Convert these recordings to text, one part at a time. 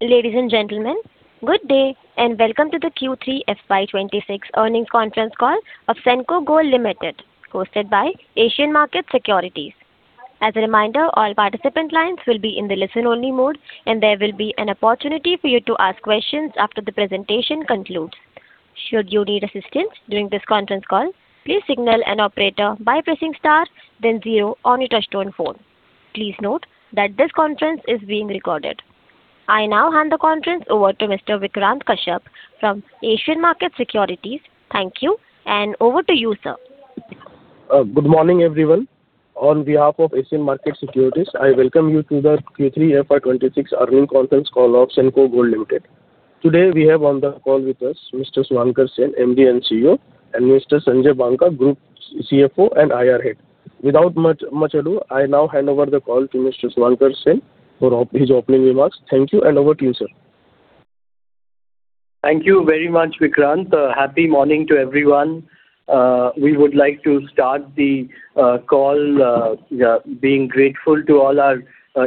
Ladies and gentlemen, good day, and welcome to the Q3 FY26 earnings conference call of Senco Gold Limited, hosted by Asian Market Securities. As a reminder, all participant lines will be in the listen-only mode, and there will be an opportunity for you to ask questions after the presentation concludes. Should you need assistance during this conference call, please signal an operator by pressing star then zero on your touchtone phone. Please note that this conference is being recorded. I now hand the conference over to Mr. Vikrant Kashyap from Asian Market Securities. Thank you, and over to you, sir. Good morning, everyone. On behalf of Asian Market Securities, I welcome you to the Q3 FY26 earnings conference call of Senco Gold Limited. Today, we have on the call with us, Mr. Suvankar Sen, MD and CEO, and Mr. Sanjay Banka, Group CFO and IR Head. Without much, much ado, I now hand over the call to Mr. Suvankar Sen for his opening remarks. Thank you, and over to you, sir. Thank you very much, Vikrant. Happy morning to everyone. We would like to start the call, yeah, being grateful to all our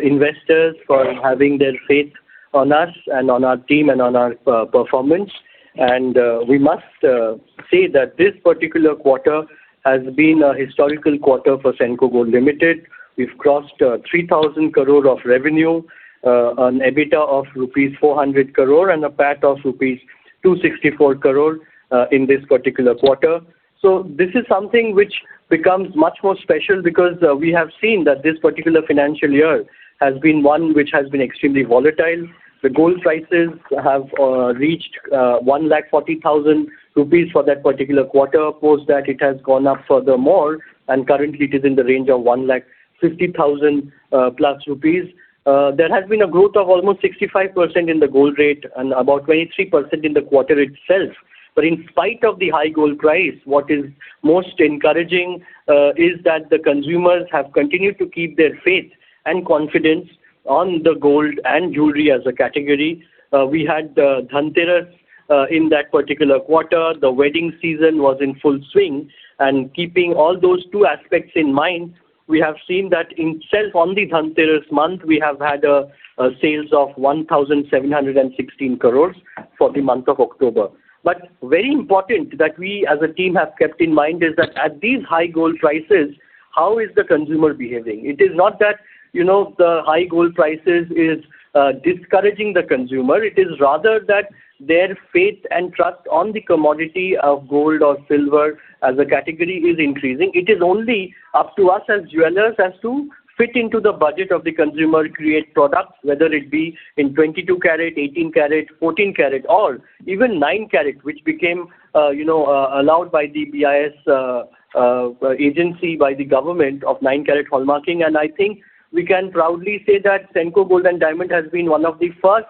investors for having their faith on us and on our team and on our performance. We must say that this particular quarter has been a historical quarter for Senco Gold Limited. We've crossed 3,000 crore of revenue, an EBITDA of rupees 400 crore, and a PAT of rupees 264 crore, in this particular quarter. So this is something which becomes much more special because we have seen that this particular financial year has been one which has been extremely volatile. The gold prices have reached 140,000 rupees for that particular quarter. Post that, it has gone up furthermore, and currently it is in the range of 150,000+ rupees. There has been a growth of almost 65% in the gold rate and about 23% in the quarter itself. But in spite of the high gold price, what is most encouraging is that the consumers have continued to keep their faith and confidence on the gold and jewelry as a category. We had Dhanteras in that particular quarter. The wedding season was in full swing, and keeping all those two aspects in mind, we have seen that itself, on the Dhanteras month, we have had a sales of 1,716 crore for the month of October. But very important that we, as a team, have kept in mind is that at these high gold prices, how is the consumer behaving? It is not that, you know, the high gold prices is discouraging the consumer. It is rather that their faith and trust on the commodity of gold or silver as a category is increasing. It is only up to us as jewelers, as to fit into the budget of the consumer, create products, whether it be in 22 karat, 18 karat, 14 karat, or even nine karat, which became, you know, allowed by the BIS agency, by the government of nine karat hallmarking. And I think we can proudly say that Senco Gold & Diamonds has been one of the first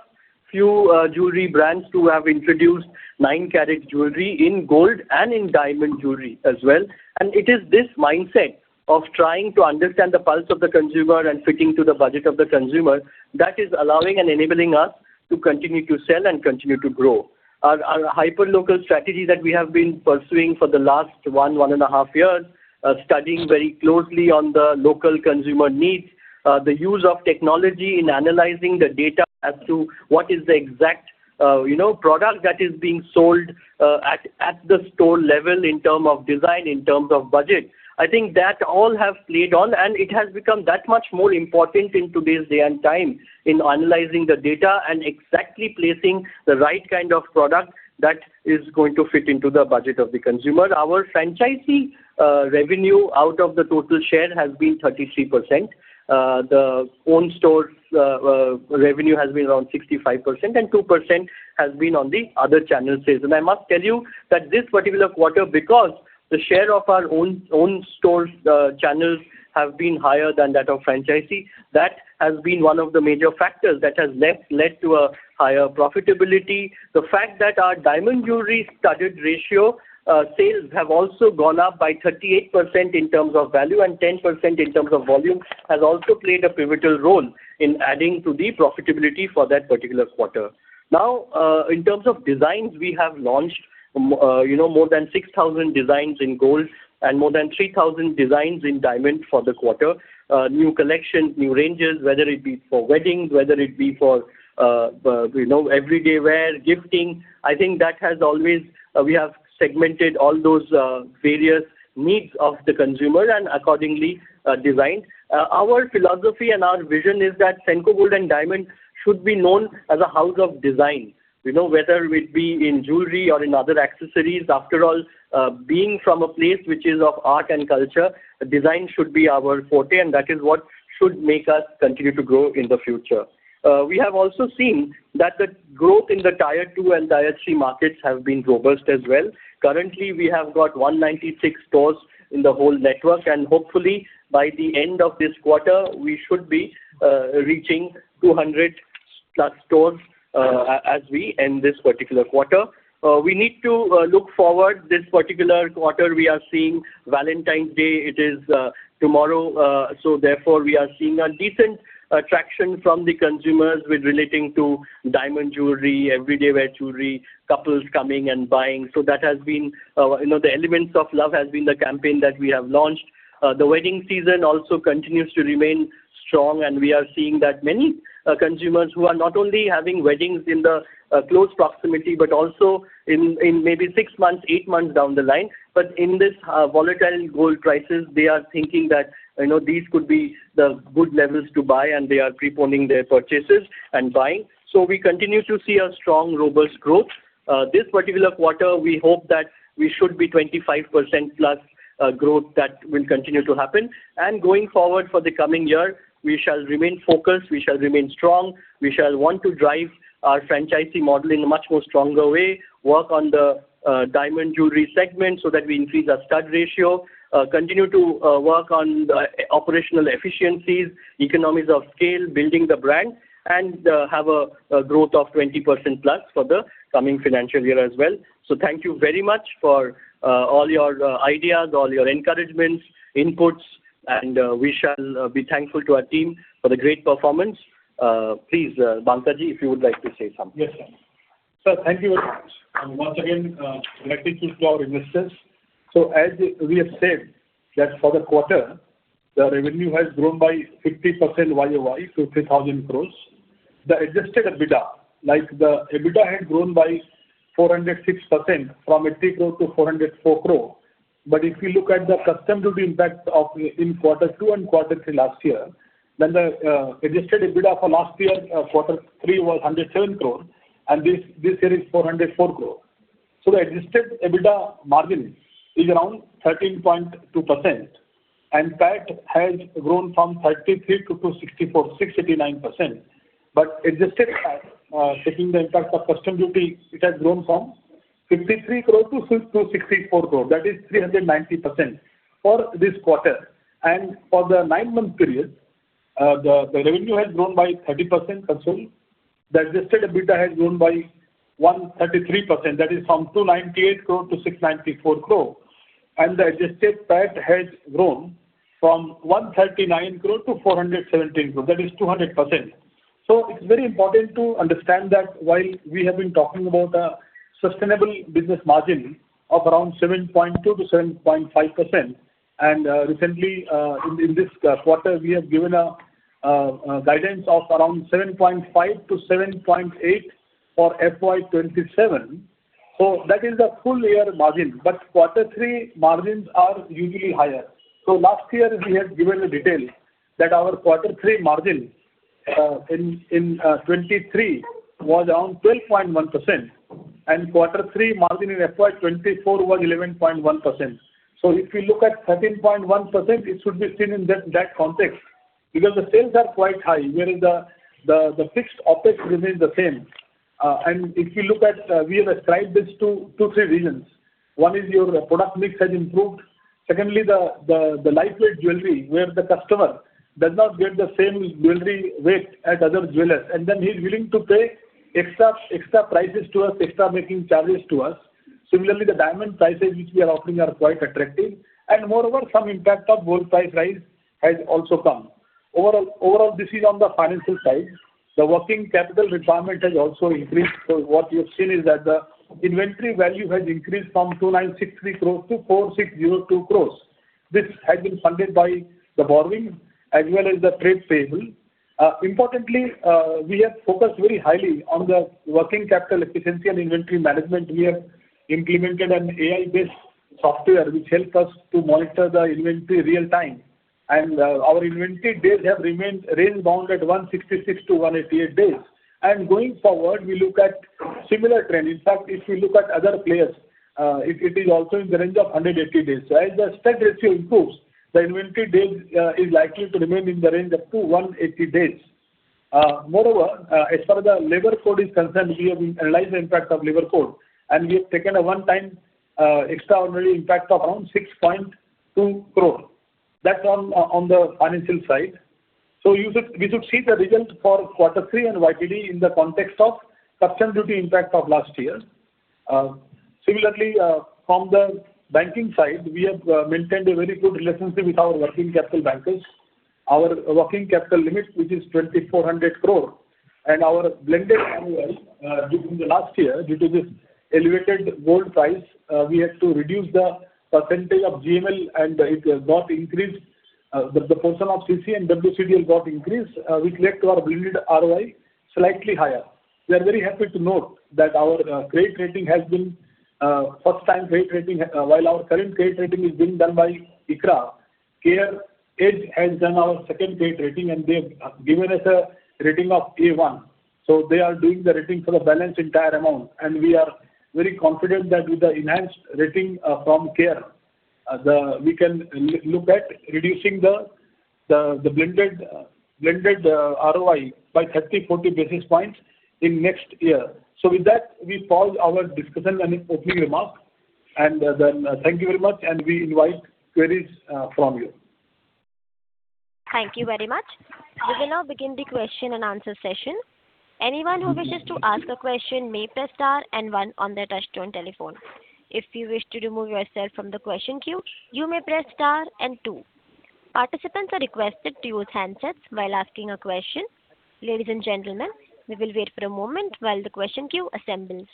few, jewelry brands to have introduced 9 karat jewelry in gold and in diamond jewelry as well. It is this mindset of trying to understand the pulse of the consumer and fitting to the budget of the consumer that is allowing and enabling us to continue to sell and continue to grow. Our hyperlocal strategy that we have been pursuing for the last one and a half years, studying very closely on the local consumer needs, the use of technology in analyzing the data as to what is the exact, you know, product that is being sold, at the store level in terms of design, in terms of budget. I think that all have played on, and it has become that much more important in today's day and time in analyzing the data and exactly placing the right kind of product that is going to fit into the budget of the consumer. Our franchisee revenue out of the total share has been 33%. The own stores revenue has been around 65%, and 2% has been on the other channel sales. I must tell you that this particular quarter, because the share of our own stores channels have been higher than that of franchisee, that has been one of the major factors that has led to a higher profitability. The fact that our diamond jewelry studded ratio sales have also gone up by 38% in terms of value and 10% in terms of volume, has also played a pivotal role in adding to the profitability for that particular quarter. Now, in terms of designs, we have launched, you know, more than 6,000 designs in gold and more than 3,000 designs in diamond for the quarter. New collection, new ranges, whether it be for weddings, whether it be for, you know, everyday wear, gifting. I think that has always, we have segmented all those, various needs of the consumer and accordingly, designed. Our philosophy and our vision is that Senco Gold and Diamonds should be known as a house of design. You know, whether it be in jewelry or in other accessories, after all, being from a place which is of art and culture, design should be our forte, and that is what should make us continue to grow in the future. We have also seen that the growth in the Tier Two and Tier Three markets have been robust as well. Currently, we have got 196 stores in the whole network, and hopefully, by the end of this quarter, we should be reaching 200+ stores as we end this particular quarter. We need to look forward. This particular quarter, we are seeing Valentine's Day. It is tomorrow, so therefore, we are seeing a decent attraction from the consumers with relating to diamond jewelry, everyday wear jewelry, couples coming and buying. So that has been, you know, the Elements of Love has been the campaign that we have launched. The wedding season also continues to remain strong, and we are seeing that many consumers who are not only having weddings in the close proximity, but also in maybe six months, eight months down the line. But in this volatile gold prices, they are thinking that, you know, these could be the good levels to buy, and they are preponing their purchases and buying. So we continue to see a strong, robust growth. This particular quarter, we hope that we should be 25%+ growth that will continue to happen. And going forward for the coming year, we shall remain focused, we shall remain strong. We shall want to drive our franchising model in a much more stronger way, work on the diamond jewelry segment so that we increase our stud ratio, continue to work on the operational efficiencies, economies of scale, building the brand, and have a growth of 20%+ for the coming financial year as well. So thank you very much for all your ideas, all your encouragements, inputs, and we shall be thankful to our team for the great performance. Please, Banka Ji, if you would like to say something. Yes, sir. Sir, thank you very much. And once again, thank you to our investors. So as we have said, that for the quarter, the revenue has grown by 50% YOY, to 3,000 crore. The adjusted EBITDA, like the EBITDA, had grown by 406% from 80 crore to 404 crore. But if you look at the customs duty impact of in quarter two and quarter three last year, then the adjusted EBITDA for last year quarter three was 107 crore, and this year is 404 crore. So the adjusted EBITDA margin is around 13.2%, and PAT has grown from 33 crore to 64 crore, 689%. But adjusted PAT, taking the impact of customs duty, it has grown from 53 crore to 64.6 crore. That is 390% for this quarter. For the nine-month period, the revenue has grown by 30% approximately. The adjusted EBITDA has grown by 133%, that is from 298 crore to 694 crore. The adjusted PAT has grown from 139 crore to 417 crore, that is 200%. So it's very important to understand that while we have been talking about a sustainable business margin of around 7.2%-7.5%, and recently, in this quarter, we have given a guidance of around 7.5%-7.8% for FY 2027. So that is a full year margin, but quarter three margins are usually higher. So last year, we had given the detail that our quarter three margin in 2023 was around 12.1%, and quarter three margin in FY 2024 was 11.1%. So if you look at 13.1%, it should be seen in that context, because the sales are quite high, wherein the fixed OpEx remains the same. And if you look at, we have ascribed this to two, three reasons. One is your product mix has improved. Secondly, the lightweight jewelry, where the customer does not get the same jewelry weight as other jewelers, and then he's willing to pay extra prices to us, extra making charges to us. Similarly, the diamond prices which we are offering are quite attractive, and moreover, some impact of gold price rise has also come. Overall, overall, this is on the financial side. The working capital requirement has also increased. So what you have seen is that the inventory value has increased from 2,963 crores to 4,602 crores. This has been funded by the borrowing as well as the trade payable. Importantly, we have focused very highly on the working capital efficiency and inventory management. We have implemented an AI-based software which helps us to monitor the inventory real time, and, our inventory days have remained range bound at 166-188 days. Going forward, we look at similar trend. In fact, if you look at other players, it is also in the range of 180 days. So as the stud ratio improves, the inventory days is likely to remain in the range up to 180 days. Moreover, as far as the labor code is concerned, we have analyzed the impact of labor code, and we have taken a one-time extraordinary impact of around 6.2 crore. That's on the financial side. So we should see the results for quarter three and YTD in the context of customs duty impact of last year. Similarly, from the banking side, we have maintained a very good relationship with our working capital bankers. Our working capital limits, which is 2,400 crore, and our blended ROIs during the last year, due to this elevated gold price, we had to reduce the percentage of GML, and it got increased. The portion of CC and WCD got increased, which led to our blended ROI slightly higher. We are very happy to note that our grade rating has been first-time grade rating. While our current grade rating is being done by ICRA, CareEdge has done our second grade rating, and they have given us a rating of A1. So they are doing the rating for the balance entire amount, and we are very confident that with the enhanced rating from Care, we can look at reducing the blended ROI by 30 basis points, 40 basis points in next year. So with that, we pause our discussion and opening remarks, and then, thank you very much, and we invite queries from you. Thank you very much. We will now begin the question and answer session. Anyone who wishes to ask a question may press star and one on their touchtone telephone. If you wish to remove yourself from the question queue, you may press star and two. Participants are requested to use handsets while asking a question. Ladies and gentlemen, we will wait for a moment while the question queue assembles...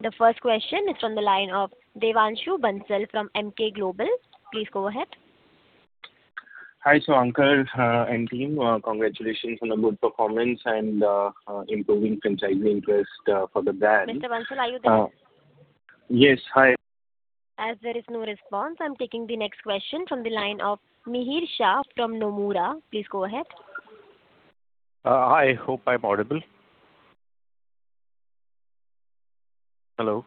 The first question is from the line of Devanshu Bansal from Emkay Global. Please go ahead. Hi, Ankur and team, congratulations on a good performance and improving franchisee interest for the brand. Mr. Bansal, are you there? Yes. Hi. As there is no response, I'm taking the next question from the line of Mihir Shah from Nomura. Please go ahead. Hi, hope I'm audible. Hello?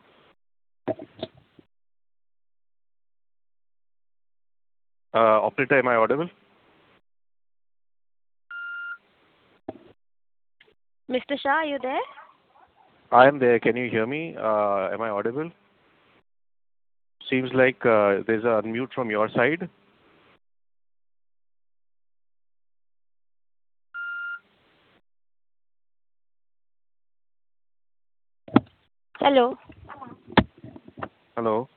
Operator, am I audible? Mr. Shah, are you there? I am there. Can you hear me? Am I audible? Seems like, there's a mute from your side. Hello. Hello.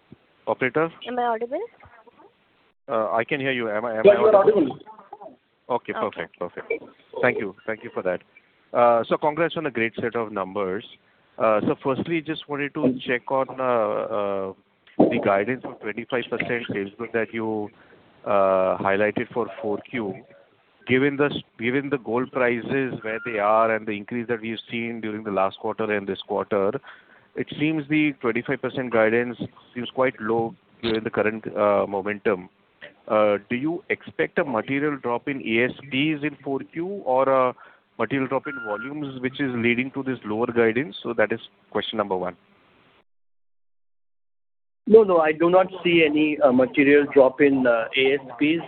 Operator? Am I audible? I can hear you. Am I- Yes, you are audible. Okay, perfect. Okay. Perfect. Thank you. Thank you for that. So congrats on a great set of numbers. So firstly, just wanted to check on the guidance of 25% sales growth that you highlighted for 4Q. Given the gold prices, where they are and the increase that we've seen during the last quarter and this quarter, it seems the 25% guidance seems quite low given the current momentum. Do you expect a material drop in ASPs in 4Q or a material drop in volumes, which is leading to this lower guidance? So that is question number one. No, no, I do not see any material drop in ASPs.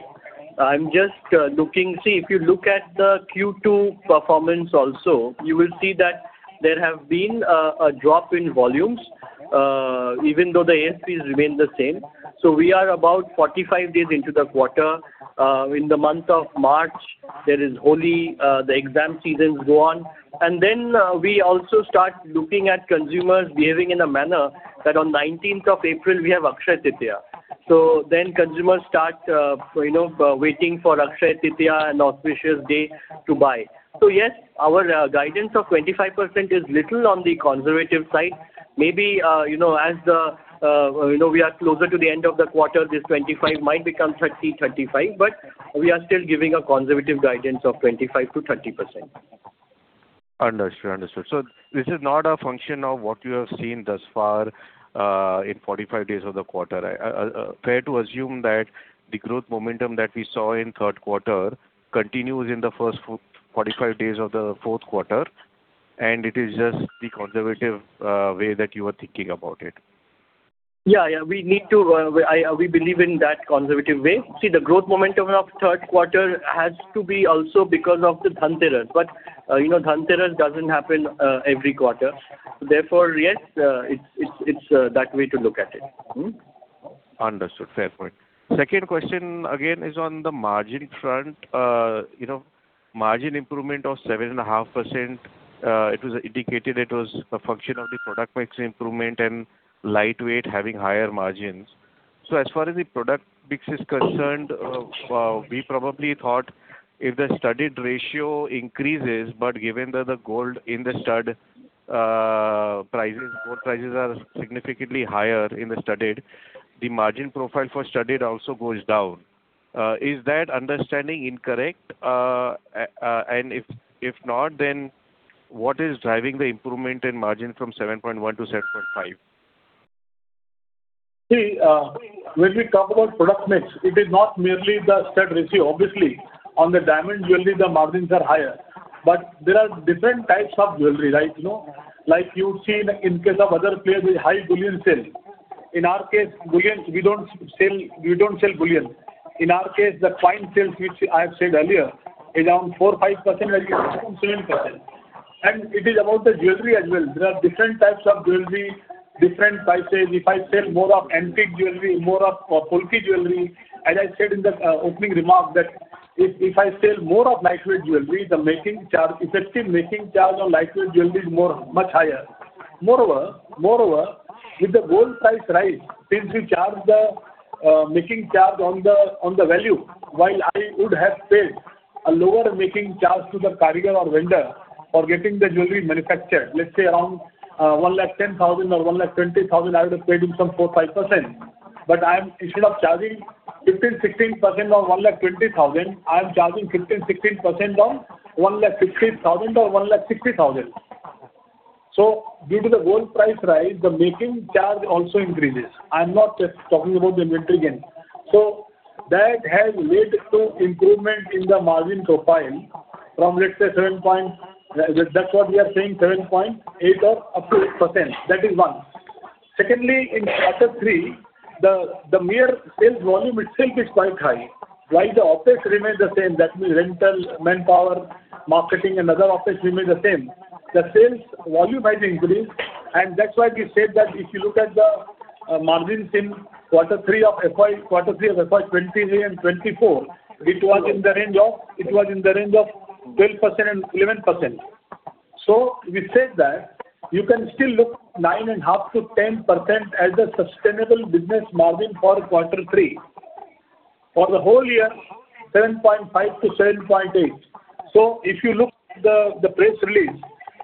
I'm just looking. See, if you look at the Q2 performance also, you will see that there have been a drop in volumes even though the ASPs remain the same. So we are about 45 days into the quarter. In the month of March, there is Holi, the exam seasons go on. And then, we also start looking at consumers behaving in a manner that on 19th of April, we have Akshaya Tritiya. So then consumers start, you know, waiting for Akshaya Tritiya, an auspicious day to buy. So yes, our guidance of 25% is little on the conservative side. Maybe, you know, as the, you know, we are closer to the end of the quarter, this 25 might become 30, 35, but we are still giving a conservative guidance of 25%-30%. Understood. Understood. So this is not a function of what you have seen thus far in 45 days of the quarter. Fair to assume that the growth momentum that we saw in third quarter continues in the first 45 days of the fourth quarter, and it is just the conservative way that you are thinking about it? Yeah, yeah. We need to believe in that conservative way. See, the growth momentum of third quarter has to be also because of the Dhanteras, but you know, Dhanteras doesn't happen every quarter. Therefore, yes, it's that way to look at it. Mm-hmm. Understood. Fair point. Second question, again, is on the margin front. You know, margin improvement of 7.5%, it was indicated it was a function of the product mix improvement and lightweight having higher margins. So as far as the product mix is concerned, we probably thought if the studded ratio increases, but given that the gold in the studded prices, gold prices are significantly higher in the studded, the margin profile for studded also goes down. Is that understanding incorrect? And if not, then what is driving the improvement in margin from 7.1% to 7.5%? See, when we talk about product mix, it is not merely the Stud Ratio. Obviously, on the diamond jewelry, the margins are higher, but there are different types of jewelry, right? You know, like you've seen in case of other players, the high bullion sales. In our case, bullion, we don't sell, we don't sell bullion. In our case, the coin sales, which I have said earlier, is around 4%-5%. Mm-hmm. It is about the jewelry as well. There are different types of jewelry, different sizes. If I sell more of antique jewelry, more of bulky jewelry, as I said in the opening remarks that if I sell more of lightweight jewelry, the making charge, effective making charge on lightweight jewelry is more, much higher. Moreover, with the gold price rise, since we charge the making charge on the value, while I would have paid a lower making charge to the carrier or vendor for getting the jewelry manufactured, let's say around 110,000 or 120,000, I would have paid him some 4%-5%, but I am instead of charging 15%-16% on 120,000, I am charging 15%-16% on 150,000 or 160,000. So due to the gold price rise, the making charge also increases. I'm not just talking about the inventory gain. So that has led to improvement in the margin profile from, let's say, 7... That's what we are saying, 7.8% or up to 8%. That is one. Secondly, in quarter three, the mere sales volume itself is quite high. While the office remains the same, that means rental, manpower, marketing and other office remain the same, the sales volume has increased, and that's why we said that if you look at the margins in quarter three of FY, quarter three of FY 2023 and 2024, it was in the range of, it was in the range of 12% and 11%. So we said that you can still look 9.5%-10% as a sustainable business margin for quarter three. For the whole year, 7.5%-7.8%. So if you look at the press release,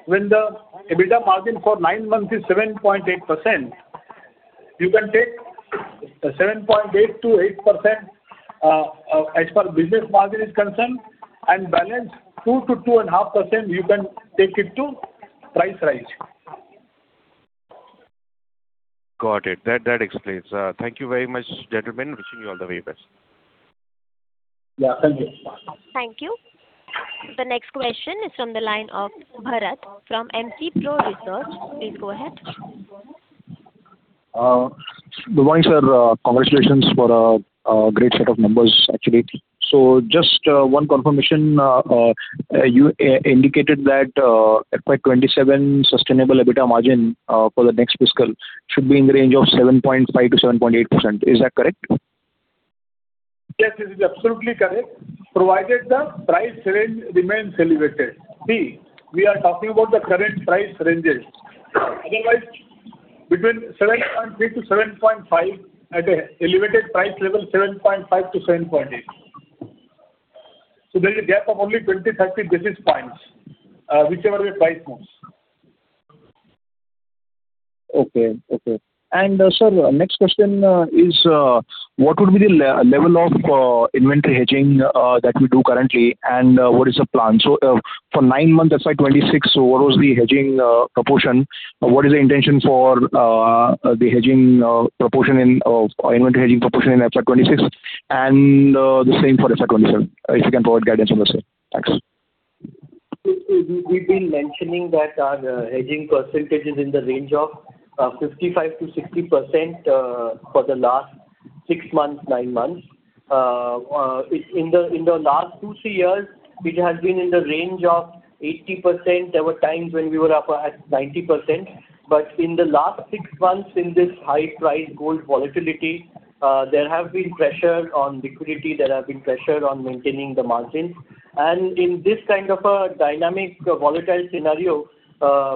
when the EBITDA margin for nine months is 7.8%, you can take 7.8%-8% as far as business margin is concerned, and balance 2-2.5%, you can take it to price rise. Got it. That, that explains. Thank you very much, gentlemen. Wishing you all the very best. Yeah, thank you. Thank you. The next question is from the line of Bharat from MC Pro Research. Please go ahead. Good morning, sir. Congratulations for a great set of numbers, actually. So just one confirmation. You indicated that FY 27 sustainable EBITDA margin for the next fiscal should be in the range of 7.5%-7.8%. Is that correct? Yes, it is absolutely correct, provided the price range remains elevated. See, we are talking about the current price ranges. Otherwise, between 7.3%-7.5%, at a elevated price level, 7.5%-7.8%. So there's a gap of only 20 basis points, 30 basis points, whichever way price moves. Okay. Okay. And, sir, next question is what would be the level of inventory hedging that we do currently, and what is the plan? So, for nine months, FY 2026, what was the hedging proportion? What is the intention for the hedging proportion in or inventory hedging proportion in FY 2026, and the same for FY 2027. If you can provide guidance on this, sir. Thanks. We've been mentioning that our hedging percentage is in the range of 55%-60% for the last six months, nine months. In the last two, three years, it has been in the range of 80%. There were times when we were up at 90%, but in the last six months, in this high price gold volatility, there have been pressures on liquidity, there have been pressure on maintaining the margins. And in this kind of a dynamic, volatile scenario,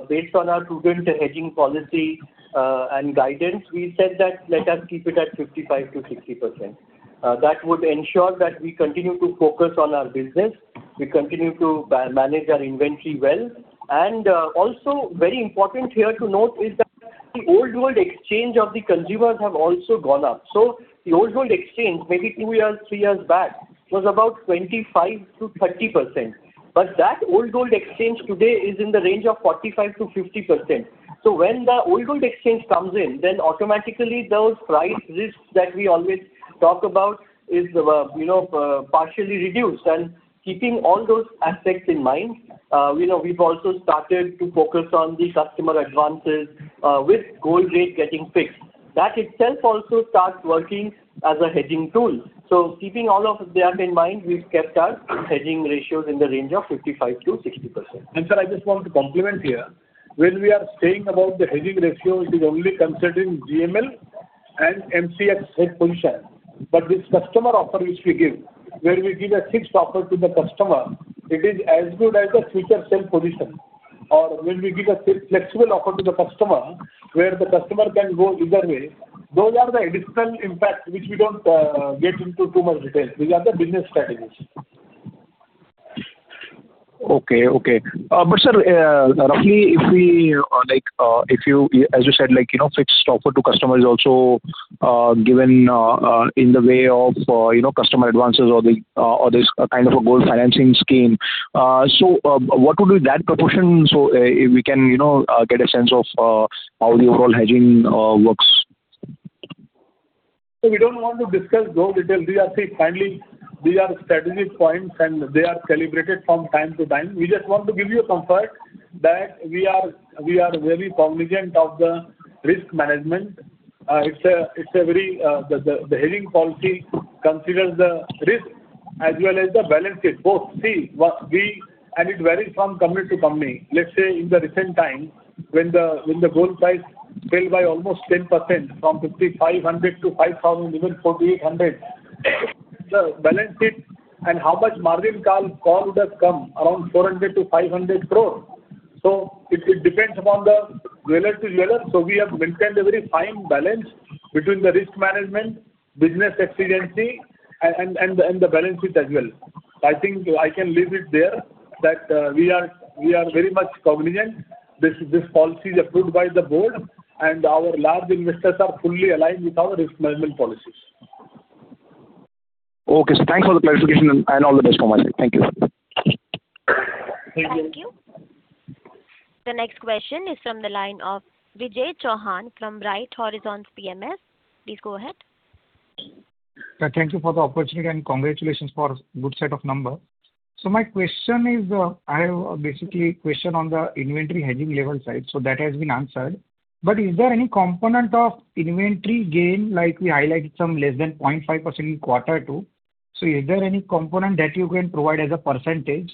based on our prudent hedging policy and guidance, we said that let us keep it at 55%-60%. That would ensure that we continue to focus on our business, we continue to manage our inventory well. And, also very important here to note is that the old gold exchange of the consumers have also gone up. So the old gold exchange, maybe two years, three years back, was about 25%-30%, but that old gold exchange today is in the range of 45%-50%. So when the old gold exchange comes in, then automatically those price risks that we always talk about is, you know, partially reduced. And keeping all those aspects in mind, we know we've also started to focus on the customer advances, with gold rate getting fixed. That itself also starts working as a hedging tool. So keeping all of that in mind, we've kept our hedging ratios in the range of 55%-60%. Sir, I just want to comment here. When we are saying about the hedging ratio, it is only considering GML and MCX hedge position. But this customer offer which we give, where we give a fixed offer to the customer, it is as good as a future sale position. Or when we give a flexible offer to the customer, where the customer can go either way, those are the additional impacts which we don't get into too much detail. These are the business strategies. Okay, okay. But, sir, roughly, if we like, if you, as you said, like, you know, fixed offer to customers also, given in the way of, you know, customer advances or the or this kind of a gold financing scheme. So, what would be that proportion, so we can, you know, get a sense of how the overall hedging works? So we don't want to discuss those details. These are... See, finally, these are strategic points, and they are calibrated from time to time. We just want to give you a comfort that we are very cognizant of the risk management. It's a very, the hedging policy considers the risk as well as the balance sheet, both. See, and it varies from company to company. Let's say in the recent times, when the gold price fell by almost 10%, from 5,500 to 5,000, even 4,800, the balance sheet and how much margin call would have come? Around 400-500 crore. So it depends upon the jeweler to jeweler. So we have maintained a very fine balance between the risk management, business efficiency, and the balance sheet as well. I think I can leave it there, that we are very much cognizant. This policy is approved by the board, and our large investors are fully aligned with our risk management policies. Okay, sir. Thanks for the clarification, and all the best from my side. Thank you, sir. Thank you. The next question is from the line of Vijay Chauhan from Right Horizons PMS. Please go ahead. Thank you for the opportunity, and congratulations for good set of numbers. So my question is, I have basically a question on the inventory hedging level side, so that has been answered. But is there any component of inventory gain, like we highlighted some less than 0.5% in quarter two? So is there any component that you can provide as a percentage?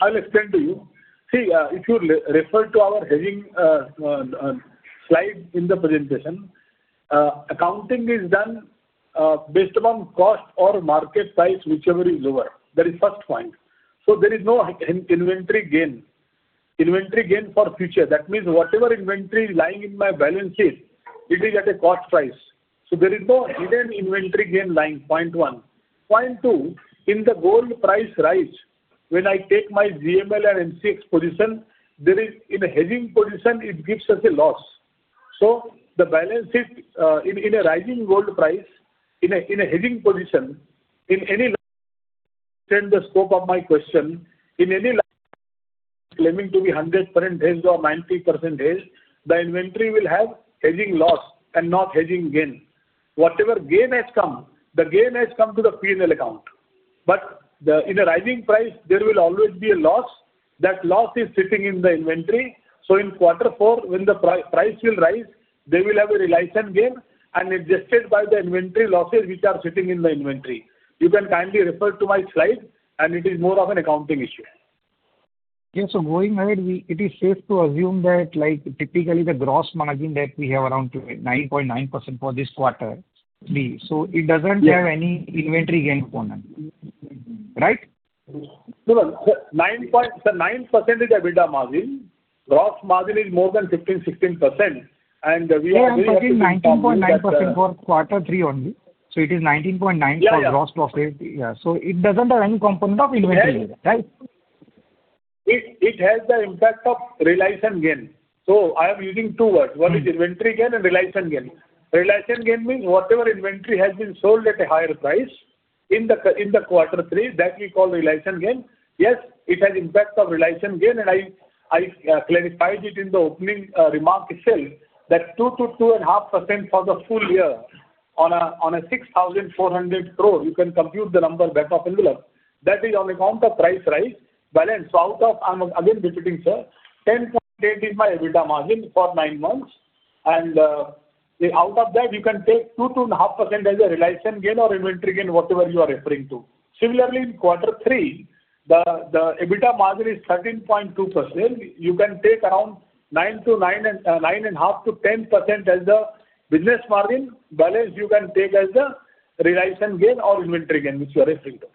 I'll explain to you. See, if you refer to our hedging slide in the presentation, accounting is done based upon cost or market price, whichever is lower. That is first point. So there is no inventory gain for future. That means whatever inventory lying in my balance sheet, it is at a cost price. So there is no hidden inventory gain lying, point one. Point two, in the gold price rise, when I take my GML and MCX position, there is, in a hedging position, it gives us a loss. So the balance sheet, in a rising gold price, in a hedging position, in any the scope of my question, in any claiming to be 100% hedged or 90% hedged, the inventory will have hedging loss and not hedging gain. Whatever gain has come, the gain has come to the P&L account. But in a rising price, there will always be a loss. That loss is sitting in the inventory. So in quarter four, when the price will rise, they will have a realization gain and adjusted by the inventory losses, which are sitting in the inventory. You can kindly refer to my slide, and it is more of an accounting issue. Okay, so going ahead, it is safe to assume that, like, typically the gross margin that we have around 9.9% for this quarter be. So it doesn't- Yeah. have any inventory gain component. Right? No, no. The 9% is EBITDA margin. Gross margin is more than 15%-16%, and we are- Yeah, I'm looking 19.9% for quarter three only. So it is 19.9% for- Yeah, yeah. Gross profit. Yeah. So it doesn't have any component of inventory, right? It has the impact of realization gain. So I am using two words. Mm-hmm. One is inventory gain and realization gain. Realization gain means whatever inventory has been sold at a higher price in quarter three, that we call realization gain. Yes, it has impact of realization gain, and I clarified it in the opening remark itself, that 2%-2.5% for the full year on a 6,400 crore, you can compute the number back of envelope. That is on account of price rise. Balance out of, I'm again repeating, sir, 10.8% is my EBITDA margin for nine months, and out of that, you can take 2%-2.5% as a realization gain or inventory gain, whatever you are referring to. Similarly, in quarter three, the EBITDA margin is 13.2%. You can take around 9% to 9.5%-10% as the business margin. Balance you can take as the realization gain or inventory gain, which you are referring to.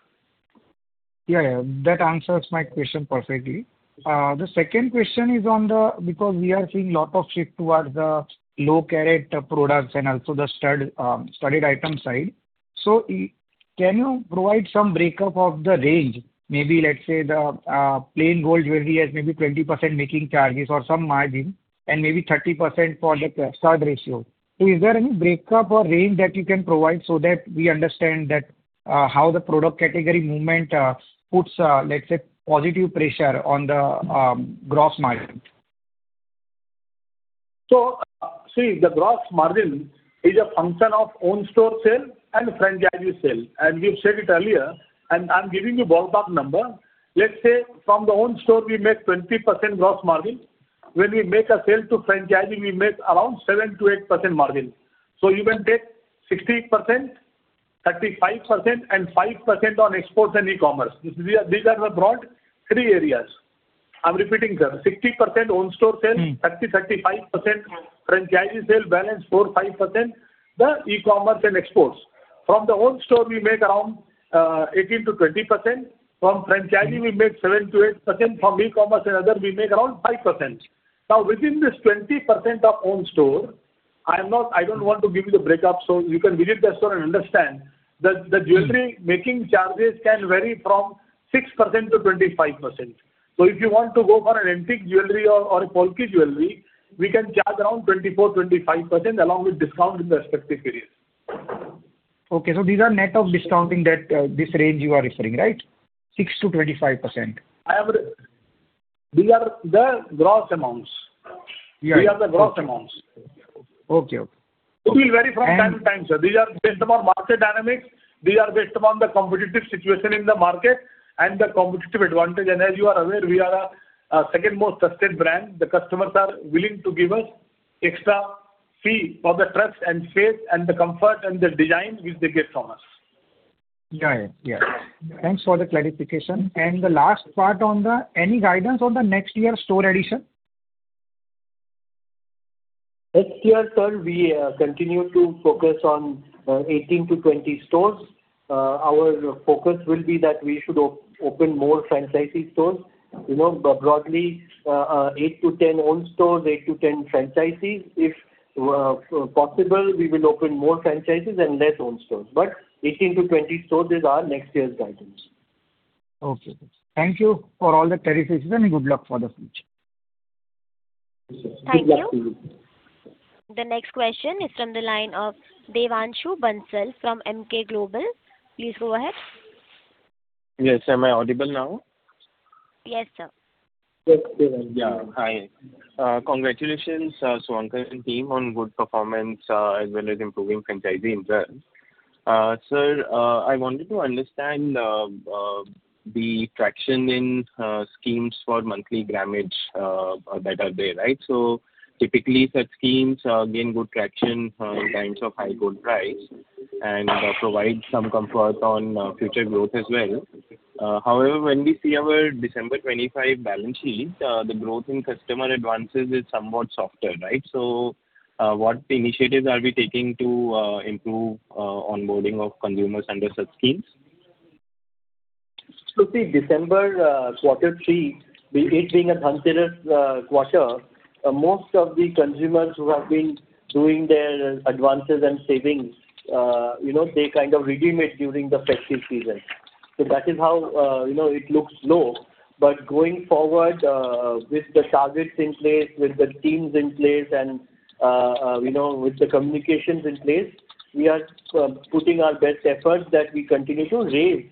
Yeah, yeah. That answers my question perfectly. The second question is on the because we are seeing lot of shift towards the low carat products and also the studded item side. So can you provide some breakup of the range? Maybe let's say the plain gold jewelry has maybe 20% making charges or some margin, and maybe 30% for the stud ratio. So is there any breakup or range that you can provide so that we understand that how the product category movement puts, let's say, positive pressure on the gross margin? So, see, the gross margin is a function of own store sale and franchisee sale, and we've said it earlier, and I'm giving you ballpark number. Let's say from the own store, we make 20% gross margin. When we make a sale to franchisee, we make around 7%-8% margin. So you can take 60%, 35%, and 5% on exports and e-commerce. These are, these are the broad three areas. I'm repeating, sir. 60% own store sales- Mm. 30%-35% franchisee sales, balance 4%-5%, the e-commerce and exports. From the own store, we make around 18%-20%. From franchisee- Mm. We make 7%-8%. From e-commerce and other, we make around 5%. Now, within this 20% of own store, I am not, I don't want to give you the breakup, so you can visit the store and understand. The jewelry- Mm. -making charges can vary from 6%-25%. So if you want to go for an antique jewelry or a Polki jewelry, we can charge around 24%, 25%, along with discount in the respective periods. Okay, so these are net of discounting that, this range you are referring, right? 6%-25%. I have the. These are the gross amounts. Yeah. These are the gross amounts. Okay, okay. It will vary from time to time, sir. These are based on market dynamics, these are based on the competitive situation in the market and the competitive advantage. As you are aware, we are a second most trusted brand. The customers are willing to give us extra fee for the trust and faith and the comfort and the design which they get from us. Got it. Yeah. Thanks for the clarification. And the last part on the... Any guidance on the next year store addition? Next year, sir, we continue to focus on 18-20 stores. Our focus will be that we should open more franchisee stores. You know, broadly, 8-10 own stores, 8-10 franchisees. If possible, we will open more franchises and less own stores, but 18-20 stores is our next year's guidance. Okay. Thank you for all the clarifications, and good luck for the future. Thank you. Thank you. The next question is from the line of Devanshu Bansal from Emkay Global. Please go ahead. Yes. Am I audible now? Yes, sir. Yes, Devanshu. Yeah. Hi. Congratulations, Suvankar and team, on good performance, as well as improving franchisee in turn. Sir, I wanted to understand, the traction in, schemes for monthly grammage, that are there, right? So typically, such schemes, gain good traction, in times of high gold price, and, provide some comfort on, future growth as well. However, when we see our December 25 balance sheet, the growth in customer advances is somewhat softer, right? So, what initiatives are we taking to, improve, onboarding of consumers under such schemes?... So see, December, quarter three, it being a Dhanteras, quarter, most of the consumers who have been doing their advances and savings, you know, they kind of redeem it during the festive season. So that is how, you know, it looks low. But going forward, with the targets in place, with the teams in place, and, you know, with the communications in place, we are putting our best efforts that we continue to raise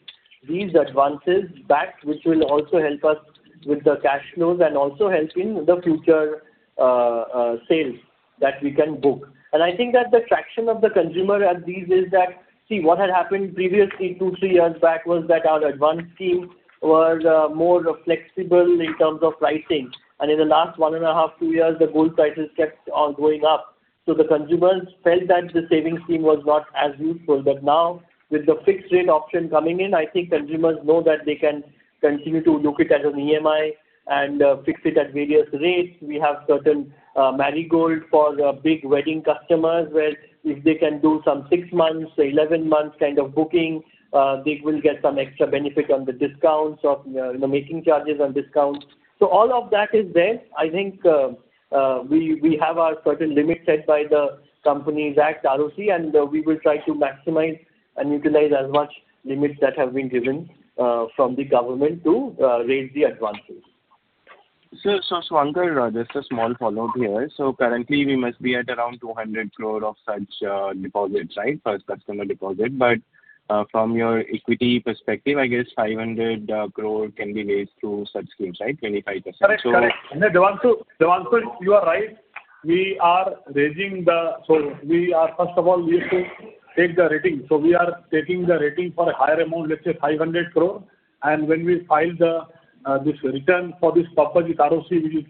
these advances back, which will also help us with the cash flows and also help in the future, sales that we can book. And I think that the traction of the consumer at these is that, see, what had happened previously, two, three years back, was that our advance scheme was more flexible in terms of pricing. In the last 1.5 years-2 years, the gold prices kept on going up, so the consumers felt that the savings scheme was not as useful. But now, with the fixed rate option coming in, I think consumers know that they can continue to look it as an EMI and fix it at various rates. We have certain Marigold for the big wedding customers, where if they can do some 6-11 months kind of booking, they will get some extra benefit on the discounts of, you know, making charges and discounts. So all of that is there. I think we have our certain limits set by the Companies Act, ROC, and we will try to maximize and utilize as much limits that have been given from the government to raise the advances. Sir, so Suvankar, just a small follow-up here. Currently, we must be at around 200 crore of such deposits, right? First customer deposit. But from your equity perspective, I guess 500 crore can be raised through such schemes, right? 25%. Correct, correct. Devanshu, Devanshu, you are right. We are raising the... So we are, first of all, we used to take the rating. So we are taking the rating for a higher amount, let's say 500 crore. And when we file the, this return for this purpose with ROC,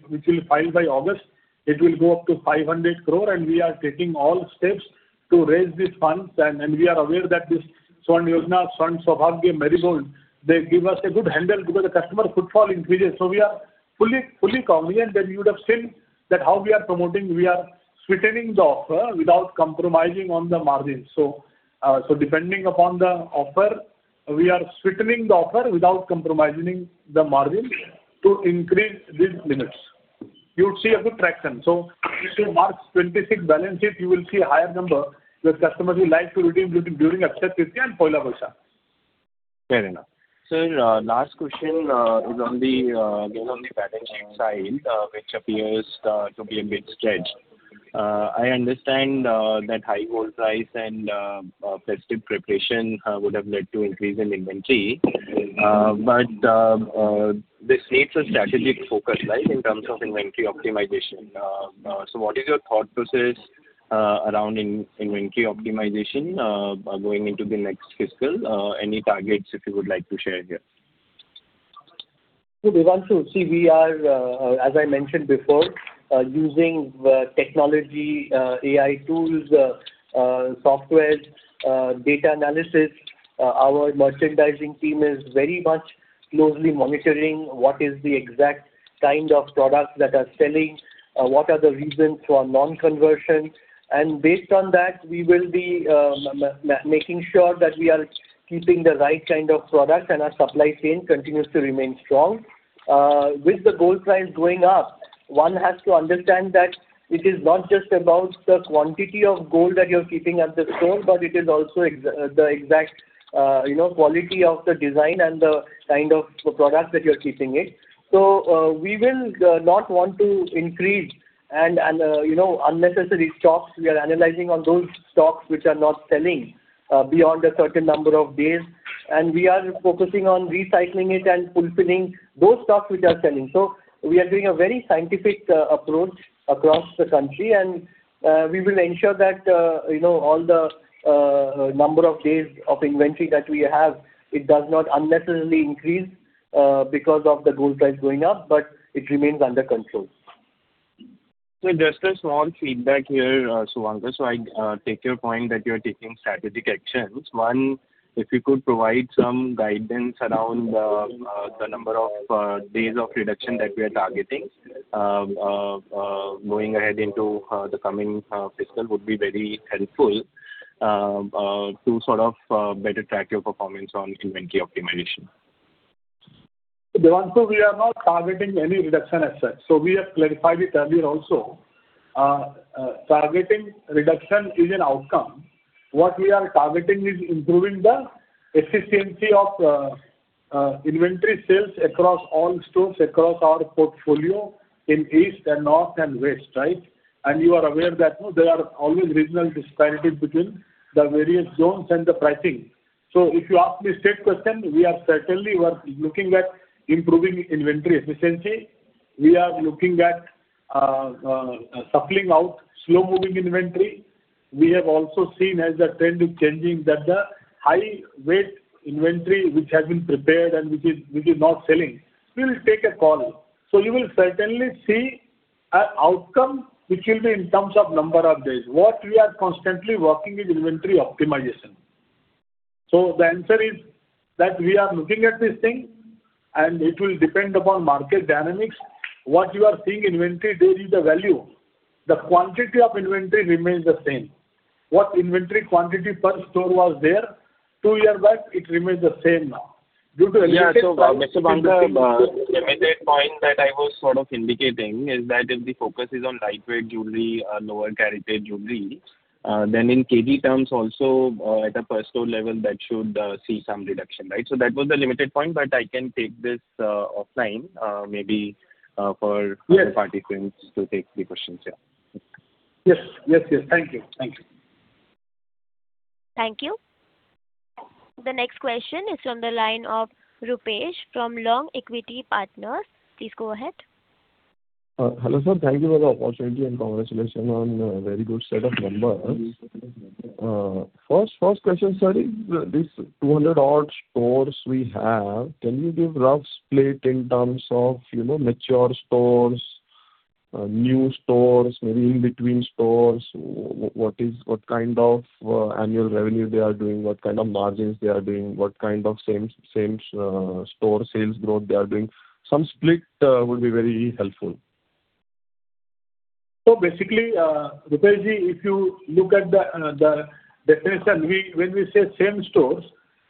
which will file by August, it will go up to 500 crore, and we are taking all steps to raise these funds. And we are aware that this Swarna Yojana, Swarna Saubhagya, Marigold, they give us a good handle because the customer footfall increases. So we are fully confident, and you would have seen that how we are promoting, we are sweetening the offer without compromising on the margin. So, so depending upon the offer, we are sweetening the offer without compromising the margin to increase these limits. You would see a good traction. So if you mark 26 balance sheet, you will see a higher number, where customers would like to redeem during Akshaya Tritiya and Poila Boishakh. Fair enough. Sir, last question is on the balance sheet side, which appears to be a bit stretched. I understand that high gold price and festive preparation would have led to increase in inventory, but this needs a strategic focus, right, in terms of inventory optimization. So what is your thought process around inventory optimization going into the next fiscal? Any targets if you would like to share here? So Devanshu, see, we are, as I mentioned before, using the technology, AI tools, softwares, data analysis. Our merchandising team is very much closely monitoring what is the exact kind of products that are selling, what are the reasons for non-conversion. And based on that, we will be, making sure that we are keeping the right kind of products, and our supply chain continues to remain strong. With the gold price going up, one has to understand that it is not just about the quantity of gold that you're keeping at the store, but it is also the exact, you know, quality of the design and the kind of products that you're keeping it. So, we will, not want to increase and, and, you know, unnecessary stocks. We are analyzing on those stocks which are not selling beyond a certain number of days, and we are focusing on recycling it and fulfilling those stocks which are selling. So we are doing a very scientific approach across the country, and we will ensure that, you know, all the number of days of inventory that we have, it does not unnecessarily increase because of the gold price going up, but it remains under control. Just a small feedback here, Suvankar. I take your point that you're taking strategic actions. One, if you could provide some guidance around the number of days of reduction that we are targeting going ahead into the coming fiscal would be very helpful to sort of better track your performance on inventory optimization. Devanshu, we are not targeting any reduction as such. So we have clarified it earlier also. Targeting reduction is an outcome. What we are targeting is improving the efficiency of inventory sales across all stores, across our portfolio in East and North and West, right? And you are aware that, no, there are always regional disparities between the various zones and the pricing. So if you ask me a straight question, we are certainly, we are looking at improving inventory efficiency. We are looking at supplying out slow-moving inventory. We have also seen as the trend is changing, that the high weight inventory, which has been prepared and which is, which is not selling, we will take a call. So you will certainly see an outcome, which will be in terms of number of days, what we are constantly working with inventory optimization. So the answer is that we are looking at this thing... and it will depend upon market dynamics. What you are seeing inventory, there is the value. The quantity of inventory remains the same. What inventory quantity per store was there two year back, it remains the same now. Due to Yeah, so Mr. Banka, limited point that I was sort of indicating is that if the focus is on lightweight jewelry, lower caratage jewelry, then in KG terms also, at a per store level, that should see some reduction, right? So that was the limited point, but I can take this, offline, maybe, for- Yes. Third party friends to take the questions. Yeah. Yes. Yes, yes. Thank you. Thank you. Thank you. The next question is from the line of Rupesh from Long Equity Partners. Please go ahead. Hello, sir. Thank you for the opportunity, and congratulations on a very good set of numbers. First question, sir, is this 200-odd stores we have, can you give rough split in terms of, you know, mature stores, new stores, maybe in between stores? What kind of annual revenue they are doing? What kind of margins they are doing? What kind of same store sales growth they are doing? Some split would be very helpful. So basically, Rupeshji, if you look at the definition, we... When we say same stores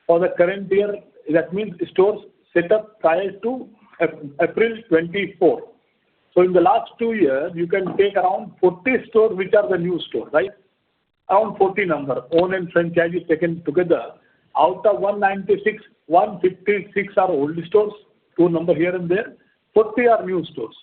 for the current year, that means stores set up prior to April 2024. So in the last two years, you can take around 40 stores, which are the new stores, right? Around 40 number, owned and franchise taken together. Out of 196, 156 are old stores, 2 number here and there, 40 are new stores.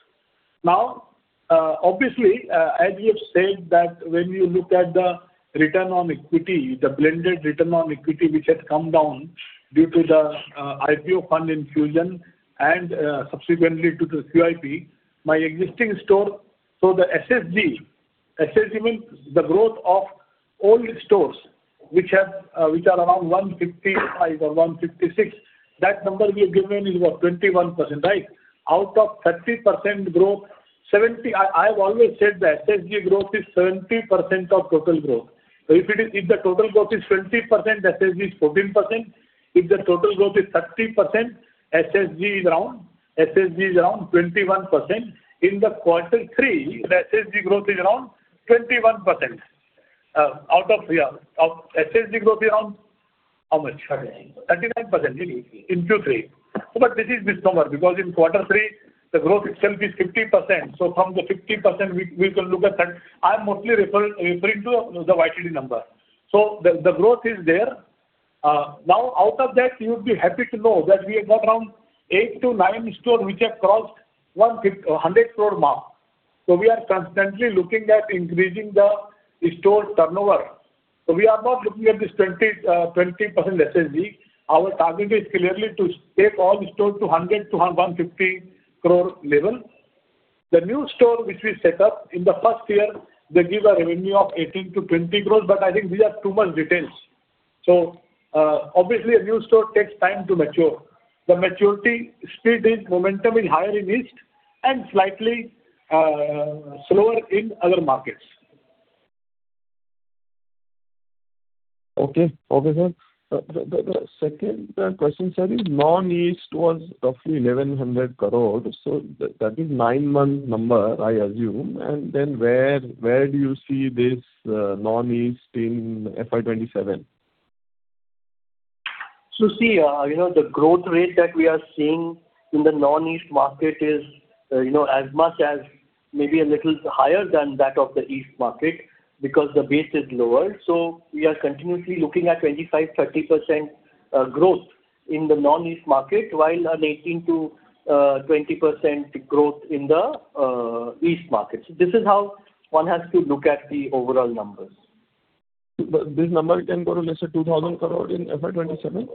Now, obviously, as you have said that when you look at the return on equity, the blended return on equity, which had come down due to the IPO fund infusion and subsequently to the QIP, my existing store, so the SSG, SSG means the growth of old stores, which have, which are around 155 or 156. That number we have given is what? 21%, right? Out of 30% growth, 70%... I've always said the SSG growth is 70% of total growth. So if it is, if the total growth is 20%, SSG is 14%. If the total growth is 30%, SSG is around, SSG is around 21%. In the quarter three, the SSG growth is around 21%. Out of our SSG growth is around how much? Thirty-nine. 39% in Q3. But this is misnomer because in quarter three, the growth itself is 15%. So from the 15%, we can look at that. I'm mostly referring to the YTD number. So the growth is there. Now, out of that, you'd be happy to know that we have got around 8-9 stores which have crossed 150 crore, 100 crore mark. So we are constantly looking at increasing the store turnover. So we are not looking at this 20%, 20% SSG. Our target is clearly to take all the stores to 100 crore-150 crore level. The new store which we set up, in the first year they give a revenue of 18 crores-20 crores, but I think these are too much details. So, obviously, a new store takes time to mature. The maturity speed is, momentum is higher in East and slightly, slower in other markets. Okay. Okay, sir. The second question, sir, is Non-East was roughly 1,100 crore, so that is nine-month number, I assume. And then where do you see this Non-East in FY 2027? See, you know, the growth rate that we are seeing in the Non-East market is, you know, as much as maybe a little higher than that of the East market because the base is lower. We are continuously looking at 25-30% growth in the Non-East market, while an 18%-20% growth in the East market. This is how one has to look at the overall numbers. But this number can go to, let's say, 2,000 crore in FY 2027?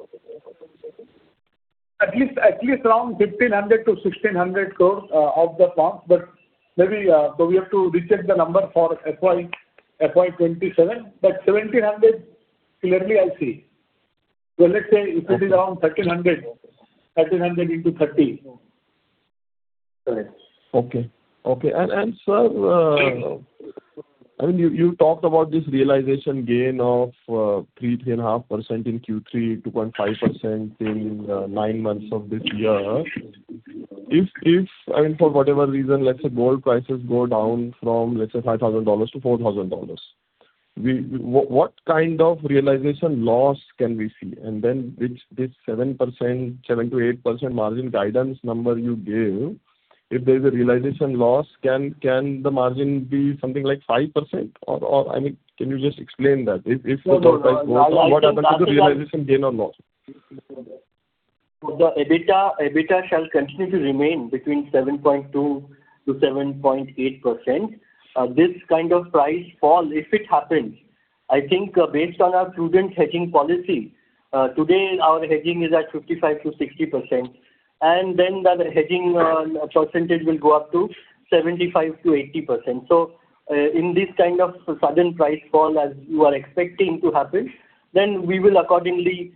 At least, at least around 1,500-1,600 crore of the mark, but maybe, so we have to recheck the number for FY, FY 2027, but 1,700 crore, clearly I see. So let's say it could be around 1,300 crore, 1,300 crore into thirty. Correct. Okay. Okay. And, sir, I mean, you talked about this realization gain of 3, 3.5% in Q3, 2.5% in 9 months of this year. If, I mean, for whatever reason, let's say gold prices go down from, let's say, $5,000 to $4,000, what kind of realization loss can we see? And then this 7%, 7%-8% margin guidance number you gave, if there's a realization loss, can the margin be something like 5%? Or, I mean, can you just explain that? If the gold price goes down, what happens to the realization gain or loss? The EBITDA, EBITDA shall continue to remain between 7.2%-7.8%. This kind of price fall, if it happens, I think based on our prudent hedging policy, today our hedging is at 55%-60%, and then the hedging percentage will go up to 75%-80%. So, in this kind of sudden price fall, as you are expecting to happen, then we will accordingly,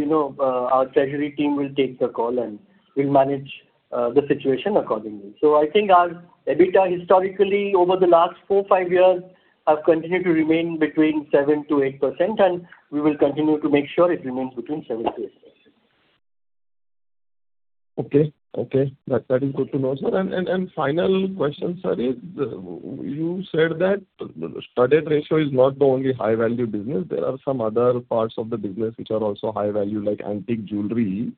you know, our treasury team will take the call, and we'll manage the situation accordingly. So I think our EBITDA historically over the last 4 years, 5 years have continued to remain between 7%-8%, and we will continue to make sure it remains between 7%-8%. Okay. Okay, that, that is good to know, sir. And, and, and final question, sir, is you said that the studded ratio is not the only high-value business. There are some other parts of the business which are also high value, like antique jewelry.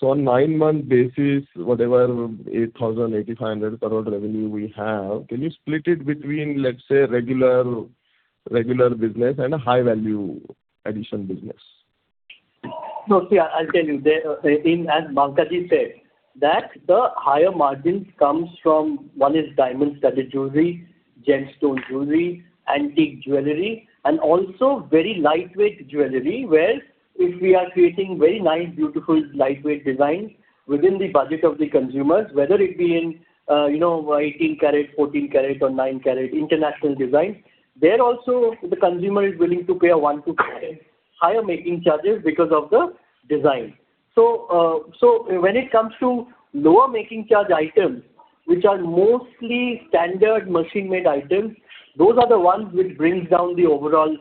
So on nine-month basis, whatever 8,000 crore-8,500 crore revenue we have, can you split it between, let's say, regular, regular business and a high-value addition business? No, see, I, I'll tell you. As Banka Ji said, that the higher margins comes from, one is diamond studded jewelry, gemstone jewelry, antique jewelry, and also very lightweight jewelry, where if we are creating very nice, beautiful, lightweight designs within the budget of the consumers, whether it be in, you know, 18 karat, 14 karat, or nine karat international designs, there also, the consumer is willing to pay a 1-5 higher making charges because of the design. So, so when it comes to lower making charge items, which are mostly standard machine-made items, those are the ones which brings down the overall,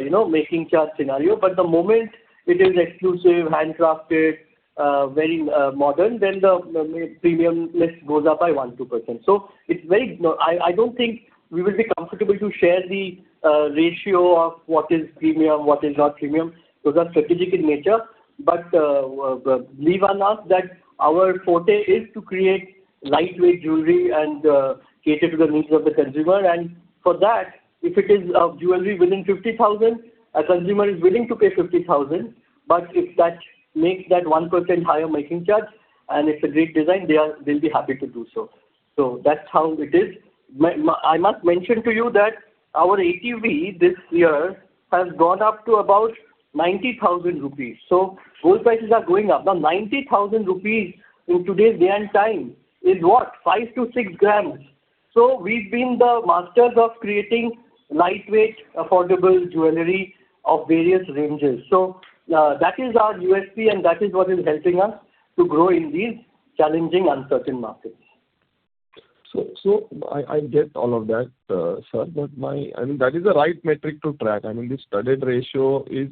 you know, making charge scenario. But the moment it is exclusive, handcrafted, very modern, then the premium list goes up by 1%-2%. So it's very... No, I don't think we will be comfortable to share the ratio of what is premium, what is not premium. Those are strategic in nature. But believe on us, that our forte is to create lightweight jewelry and cater to the needs of the consumer. And for that, if it is a jewelry within 50,000, a consumer is willing to pay 50,000, but if that makes that 1% higher making charge, and it's a great design, they'll be happy to do so. So that's how it is. I must mention to you that our ATV this year has gone up to about 90,000 rupees. So gold prices are going up. Now, 90,000 rupees in today's day and time is what? 5 grams-6 grams. So we've been the masters of creating lightweight, affordable jewelry of various ranges. So, that is our USP, and that is what is helping us to grow in these challenging, uncertain markets. So I get all of that, sir, but I mean, that is the right metric to track. I mean, the studded ratio is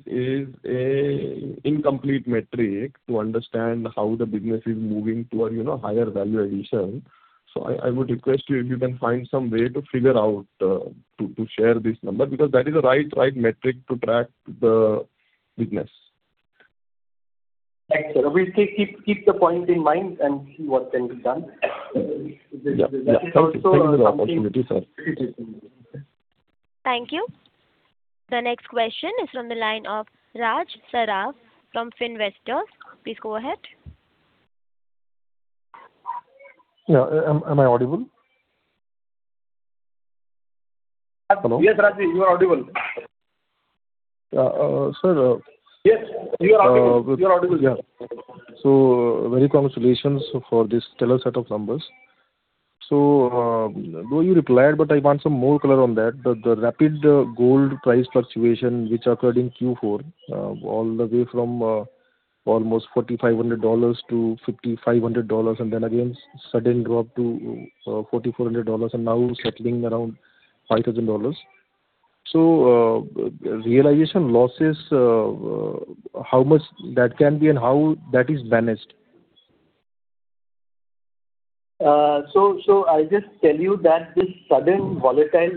an incomplete metric to understand how the business is moving toward, you know, higher value addition. So I would request you, if you can find some way to figure out to share this number, because that is the right metric to track the business. Thanks, sir. We'll take, keep the point in mind and see what can be done. Yeah, yeah. Thank you for the opportunity, sir. Thank you. The next question is from the line of Raj Sarav from Finvestor. Please go ahead. Yeah. Am I audible? Hello. Yes, Raj, you are audible. Sir, Yes, you are audible. You are audible. Yeah. So very congratulations for this stellar set of numbers. So, though you replied, but I want some more color on that. The rapid gold price fluctuation, which occurred in Q4, all the way from almost $4,500 to $5,500, and then again, sudden drop to $4,400, and now settling around $5,000. So, realization losses, how much that can be and how that is managed? So I'll just tell you that this sudden volatile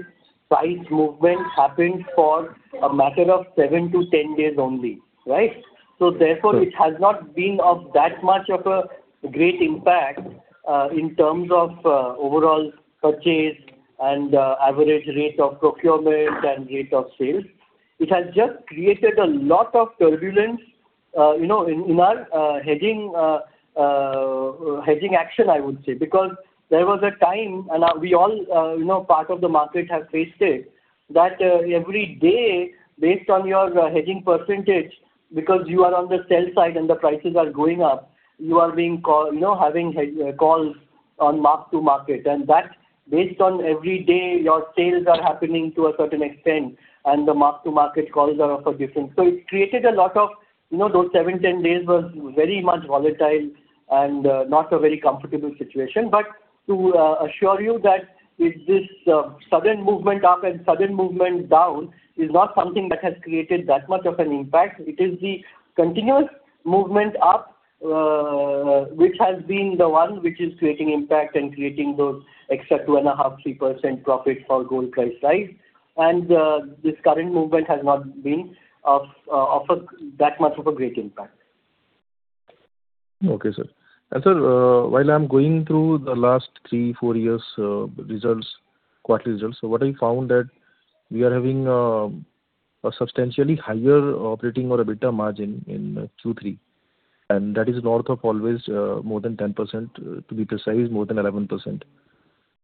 price movement happened for a matter of 7 days-10 days only, right? So therefore- Right. It has not been of that much of a great impact, in terms of, overall purchase and, average rate of procurement and rate of sales. It has just created a lot of turbulence, you know, in, in our, hedging, hedging action, I would say. Because there was a time, and now we all, you know, part of the market have faced it, that, every day, based on your, hedging percentage, because you are on the sell side and the prices are going up, you are being call- you know, having hedge, calls on mark to market. And that, based on every day, your sales are happening to a certain extent, and the mark to market calls are of a different. So it created a lot of... You know, those 7 days-10 days was very much volatile and not a very comfortable situation. But to assure you that with this sudden movement up and sudden movement down is not something that has created that much of an impact. It is the continuous movement up which has been the one which is creating impact and creating those extra 2.5%-3% profit for gold price rise. And this current movement has not been of that much of a great impact. Okay, sir. Sir, while I'm going through the last 3 years, 4 years results, quarterly results, so what I found that we are having a substantially higher operating or a better margin in Q3, and that is north of always more than 10%, to be precise, more than 11%.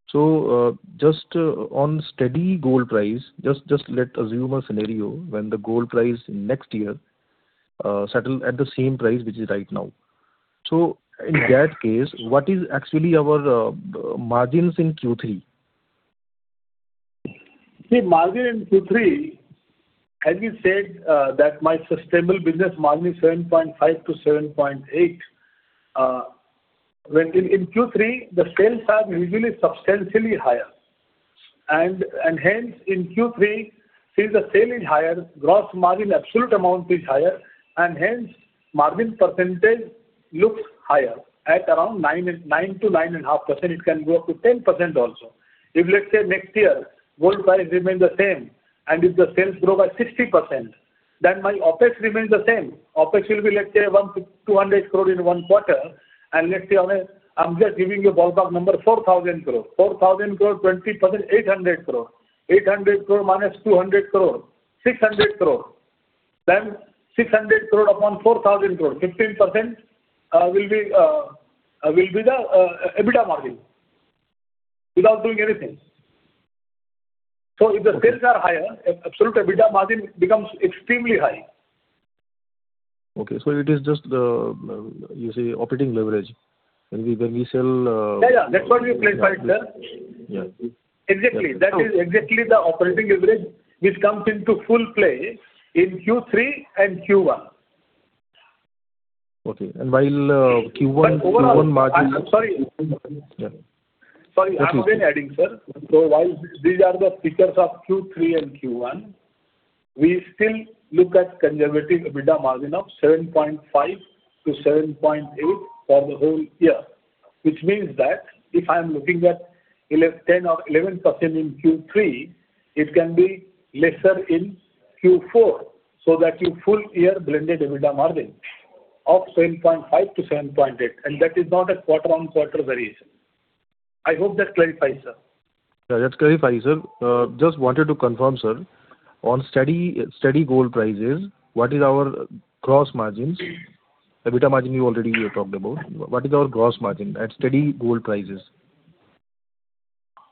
So, just on steady gold price, just let assume a scenario when the gold price next year settle at the same price which is right now. So in that case, what is actually our margins in Q3? The margin in Q3-... having said that my sustainable business margin is 7.5-7.8, when in Q3, the sales are usually substantially higher. And hence, in Q3, since the sale is higher, gross margin absolute amount is higher, and hence margin percentage looks higher at around 9-9.5%, it can go up to 10% also. If, let's say, next year, gold price remains the same, and if the sales grow by 60%, then my OpEx remains the same. OpEx will be, let's say, 100 crore-200 crore in one quarter, and let's say, I'm just giving you a ballpark number, 4,000 crore. 4,000 crore, 20%, 800 crore. 800 crore -200 crore, 600 crore. Then 600 crore upon 4,000 crore, 15%, will be the EBITDA margin, without doing anything. So if the sales are higher, absolute EBITDA margin becomes extremely high. Okay, so it is just the, you see, operating leverage. When we, when we sell, Yeah, yeah, that's what we clarified, sir. Yeah. Exactly. That is exactly the operating leverage which comes into full play in Q3 and Q1. Okay. And while, Q1- But overall- Q1 margin- I'm sorry. Yeah. Sorry, I was just adding, sir. So while these are the figures of Q3 and Q1, we still look at conservative EBITDA margin of 7.5%-7.8% for the whole year. Which means that if I'm looking at 10% or 11% in Q3, it can be lesser in Q4, so that your full year blended EBITDA margin of 7.5%-7.8%, and that is not a quarter-on-quarter variation. I hope that clarifies, sir. Yeah, that clarifies, sir. Just wanted to confirm, sir, on steady, steady gold prices, what is our gross margins? EBITDA margin you already talked about. What is our gross margin at steady gold prices?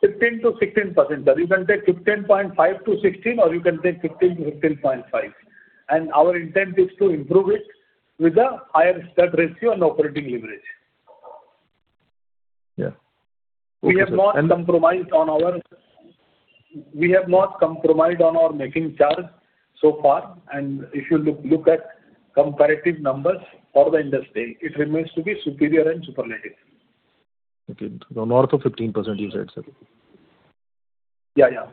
15%-16%, sir. You can take 15.5%-16%, or you can take 15%-15.5%. Our intent is to improve it with a higher Stud Ratio and operating leverage. Yeah. We have not compromised on our making charge so far, and if you look at comparative numbers for the industry, it remains to be superior and superlative. Okay. North of 15%, you said, sir? Yeah, yeah. Yeah.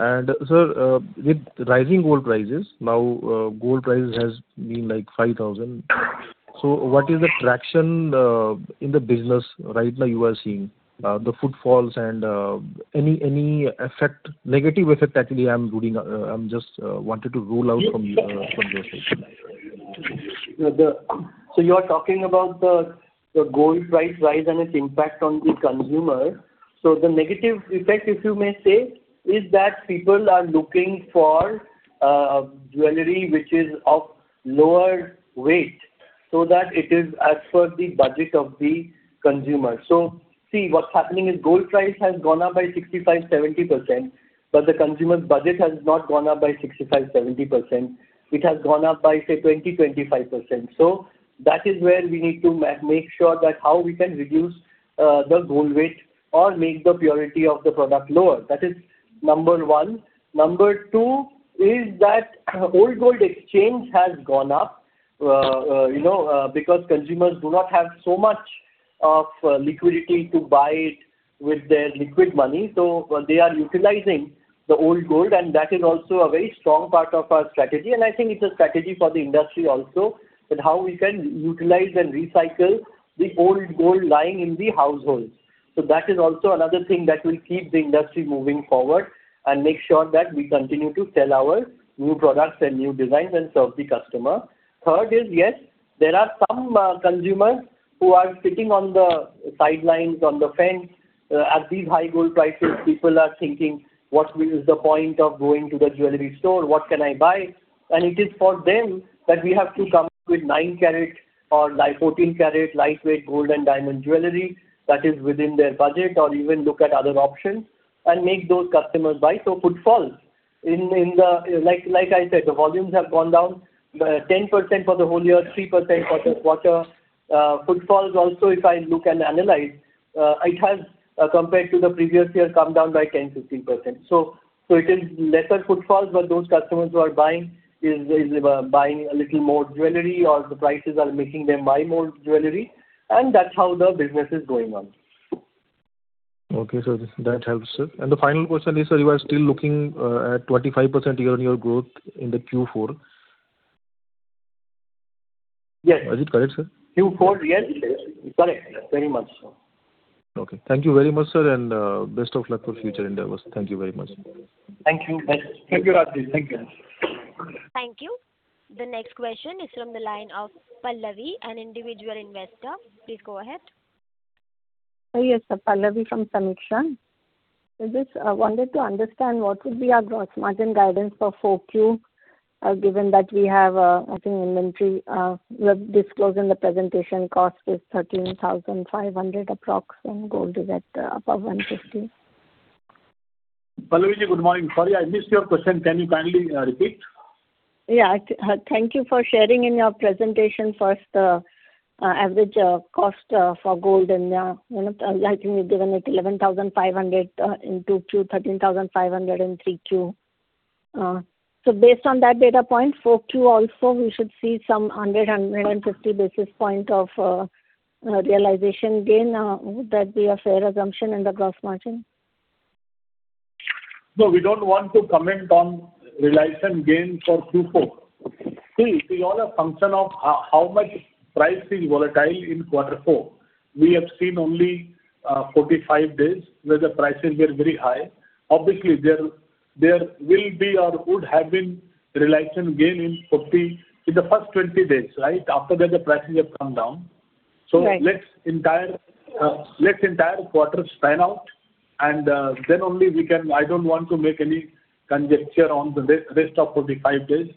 And, sir, with rising gold prices, now, gold price has been, like, 5,000. So what is the traction in the business right now you are seeing? The footfalls and any effect, negative effect, actually, I'm ruling out, I'm just wanted to rule out from the conversation. So you are talking about the, the gold price rise and its impact on the consumer. So the negative effect, if you may say, is that people are looking for jewelry which is of lower weight, so that it is as per the budget of the consumer. So see, what's happening is gold price has gone up by 65%-70%, but the consumer's budget has not gone up by 65%-70%. It has gone up by, say, 20%-25%. So that is where we need to make sure that how we can reduce the gold weight or make the purity of the product lower. That is number one. Number two is that old gold exchange has gone up, you know, because consumers do not have so much of liquidity to buy it with their liquid money. So they are utilizing the old gold, and that is also a very strong part of our strategy, and I think it's a strategy for the industry also, but how we can utilize and recycle the old gold lying in the households. So that is also another thing that will keep the industry moving forward and make sure that we continue to sell our new products and new designs and serve the customer. Third is, yes, there are some consumers who are sitting on the sidelines, on the fence. At these high gold prices, people are thinking: What is the point of going to the jewelry store? What can I buy? And it is for them that we have to come up with nine karat or fourteen karat, lightweight gold and diamond jewelry that is within their budget, or even look at other options and make those customers buy. So footfalls in the... Like, like I said, the volumes have gone down 10% for the whole year, 3% for this quarter. Footfalls also, if I look and analyze, it has compared to the previous year, come down by 10%-15%. So, so it is lesser footfalls, but those customers who are buying is buying a little more jewelry, or the prices are making them buy more jewelry, and that's how the business is going on. Okay, sir. That helps, sir. And the final question is, sir, you are still looking at 25% year-on-year growth in the Q4? Yes. Is it correct, sir? Q4, yes, correct. Very much so. Okay. Thank you very much, sir, and best of luck for future endeavors. Thank you very much. Thank you. Thank you, Rajeev. Thank you. Thank you. The next question is from the line of Pallavi, an individual investor. Please go ahead. Yes, Pallavi from Sameeksha. I just wanted to understand what would be our gross margin guidance for Q4, given that we have, I think, inventory, you have disclosed in the presentation cost is 13,500 approx, and gold is at above 150. Pallavi, good morning. Sorry, I missed your question. Can you kindly, repeat?... Yeah, thank you for sharing in your presentation first, average cost for gold and, I think you've given it 11,500 in 2Q, 13,500 in 3Q. So based on that data point, 4Q also, we should see some 150 basis point of realization gain. Would that be a fair assumption in the gross margin? No, we don't want to comment on realization gain for Q4. See, it's all a function of how much price is volatile in quarter four. We have seen only 45 days where the prices were very high. Obviously, there, there will be or would have been realization gain in 40, in the first 20 days, right? After that, the prices have come down. Right. So let's let the entire quarter span out, and then only we can—I don't want to make any conjecture on the rest of 45 days.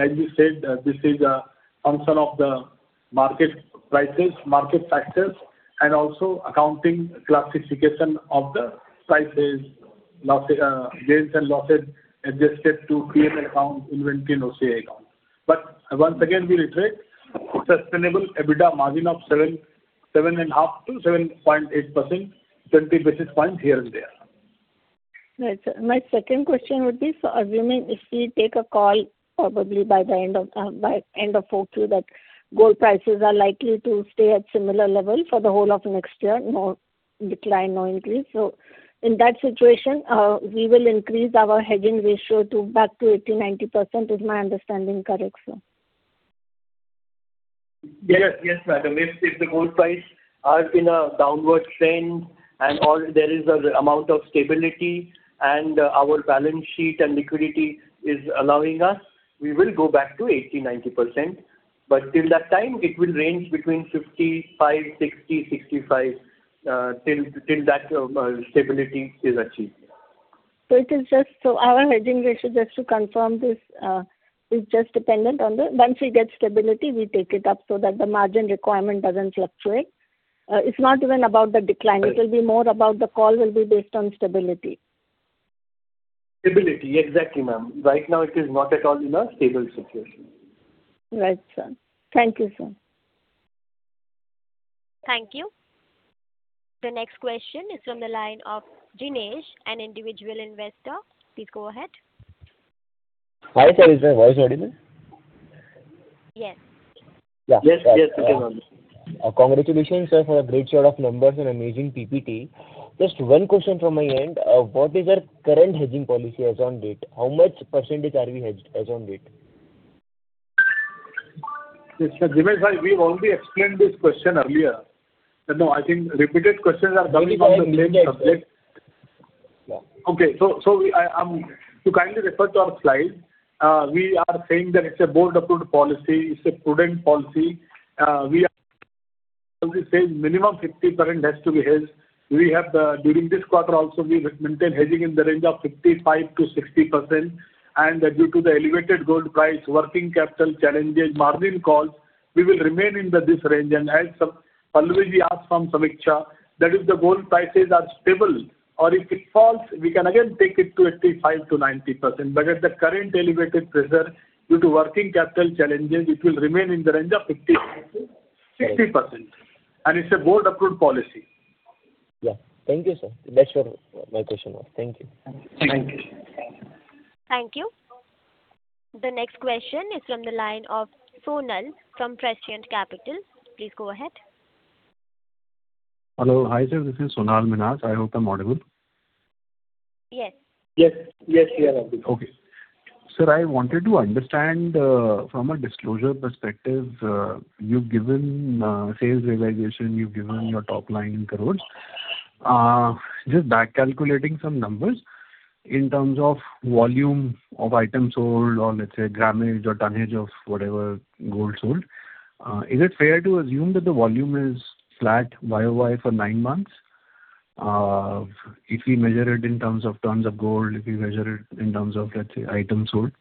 As you said, this is a function of the market prices, market factors, and also accounting classification of the prices, loss, gains and losses adjusted to create an account in OCI account. But once again, we reiterate, sustainable EBITDA margin of 7%, 7.5% to 7.8%, 20 basis points here and there. Right. My second question would be, so assuming if we take a call, probably by the end of, by end of Q4, that gold prices are likely to stay at similar level for the whole of next year, no decline, no increase. So in that situation, we will increase our hedging ratio to back to 80%-90%. Is my understanding correct, sir? Yes, yes, madam. If the gold price are in a downward trend and all, there is a amount of stability and our balance sheet and liquidity is allowing us, we will go back to 80%-90%. But till that time, it will range between 55%, 60%, 65%, till that stability is achieved. So our hedging ratio, just to confirm this, is just dependent on once we get stability, we take it up so that the margin requirement doesn't fluctuate. It's not even about the decline. Right. It will be more about the call will be based on stability. Stability. Exactly, ma'am. Right now, it is not at all in a stable situation. Right, sir. Thank you, sir. Thank you. The next question is from the line of Dinesh, an individual investor. Please go ahead. Hi, sir. Is my voice audible? Yes. Yeah. Yes, yes, it is audible. Congratulations, sir, for a great set of numbers and amazing PPT. Just one question from my end. What is your current hedging policy as on date? How much percentage are we hedged as on date? Yes, sir, Dinesh, we've already explained this question earlier. No, I think repeated questions are coming from the same subject. Yeah. Okay. So, to kindly refer to our slide, we are saying that it's a board-approved policy, it's a prudent policy. We are saying minimum 50% has to be hedged. We have, during this quarter also, we maintain hedging in the range of 55%-60%, and due to the elevated gold price, working capital challenges, margin calls, we will remain in this range. And as Pallavi asked from Sameeksha, that if the gold prices are stable or if it falls, we can again take it to 85%-90%. But at the current elevated pressure, due to working capital challenges, it will remain in the range of 55%-60%, and it's a board-approved policy. Yeah. Thank you, sir. That was my question. Thank you. Thank you. Thank you. The next question is from the line of Sonal from Prescient Capital. Please go ahead. Hello. Hi, sir, this is Sonal Minhas. I hope I'm audible. Yes. Yes. Yes, we are audible. Okay. Sir, I wanted to understand, from a disclosure perspective, you've given sales realization, you've given your top line in crores. Just back calculating some numbers in terms of volume of items sold or let's say, grammage or tonnage of whatever gold sold, is it fair to assume that the volume is flat YOY for nine months? If we measure it in terms of tons of gold, if we measure it in terms of, let's say, items sold.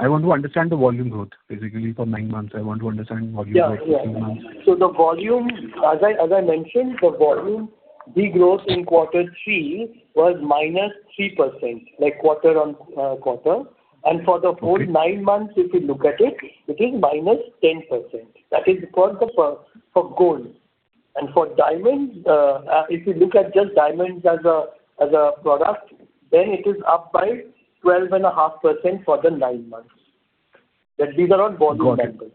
I want to understand the volume growth, basically, for nine months. I want to understand volume growth for nine months. Yeah, yeah. So the volume, as I, as I mentioned, the volume, de-growth in quarter three was -3%, like, quarter on quarter. And for the whole nine months, if you look at it, it is -10%. That is for the gold. And for diamonds, if you look at just diamonds as a product, then it is up by 12.5% for the nine months. These are all volume numbers. Got it.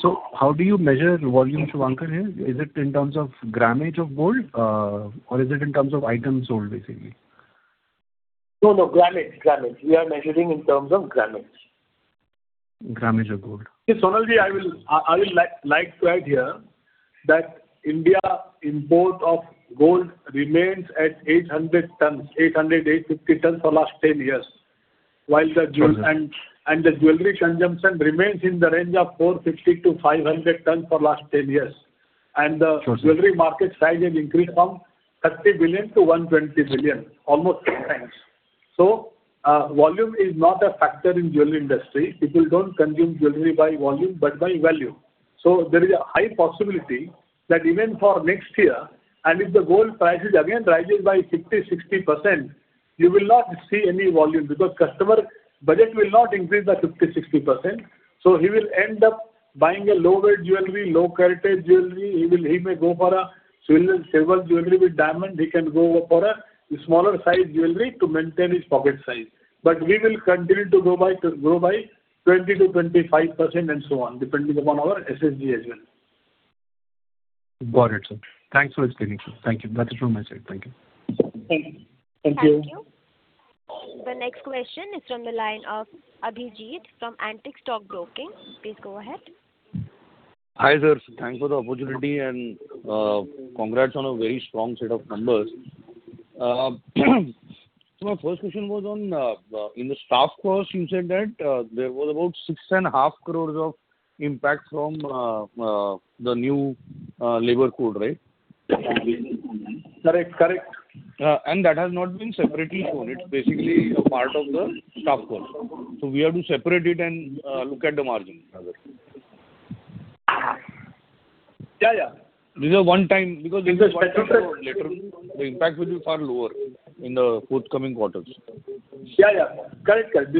So how do you measure volume, Suvankar, here? Is it in terms of grammage of gold, or is it in terms of items sold, basically? No, no, grammage, grammage. We are measuring in terms of grammage. Grammage of gold. See, Sonalji, I will like to add here that India import of gold remains at 800 tons, 800-850 tons for last 10 years, while the- Mm-hmm. The jewelry consumption remains in the range of 450-500 tons for last 10 years. Sure, sir. The jewelry market size has increased from 30 billion to 120 billion, almost three times. So, volume is not a factor in jewelry industry. People don't consume jewelry by volume, but by value. So there is a high possibility that even for next year, and if the gold prices again rises by 50, 60%, you will not see any volume, because customer budget will not increase by 50, 60%. So he will end up buying a lower jewelry, low caratage jewelry. He may go for a silver, silver jewelry with diamond. He can go for a smaller size jewelry to maintain his pocket size. But we will continue to go by, to grow by 20%-25% and so on, depending upon our SSG as well. Got it, sir. Thanks for explaining. Thank you. That's it from my side. Thank you. Thank you. Thank you. The next question is from the line of Abhijeet from Antique Stock Broking. Please go ahead. Hi, sir. Thanks for the opportunity and congrats on a very strong set of numbers. So my first question was on, in the staff cost, you said that there was about 6.5 crore of impact from the new labor code, right? Correct, correct. That has not been separately shown. It's basically a part of the staff cost. So we have to separate it and look at the margin. Yeah, yeah. These are one-time, because the impact will be far lower in the forthcoming quarters. Yeah, yeah. Correct, correct.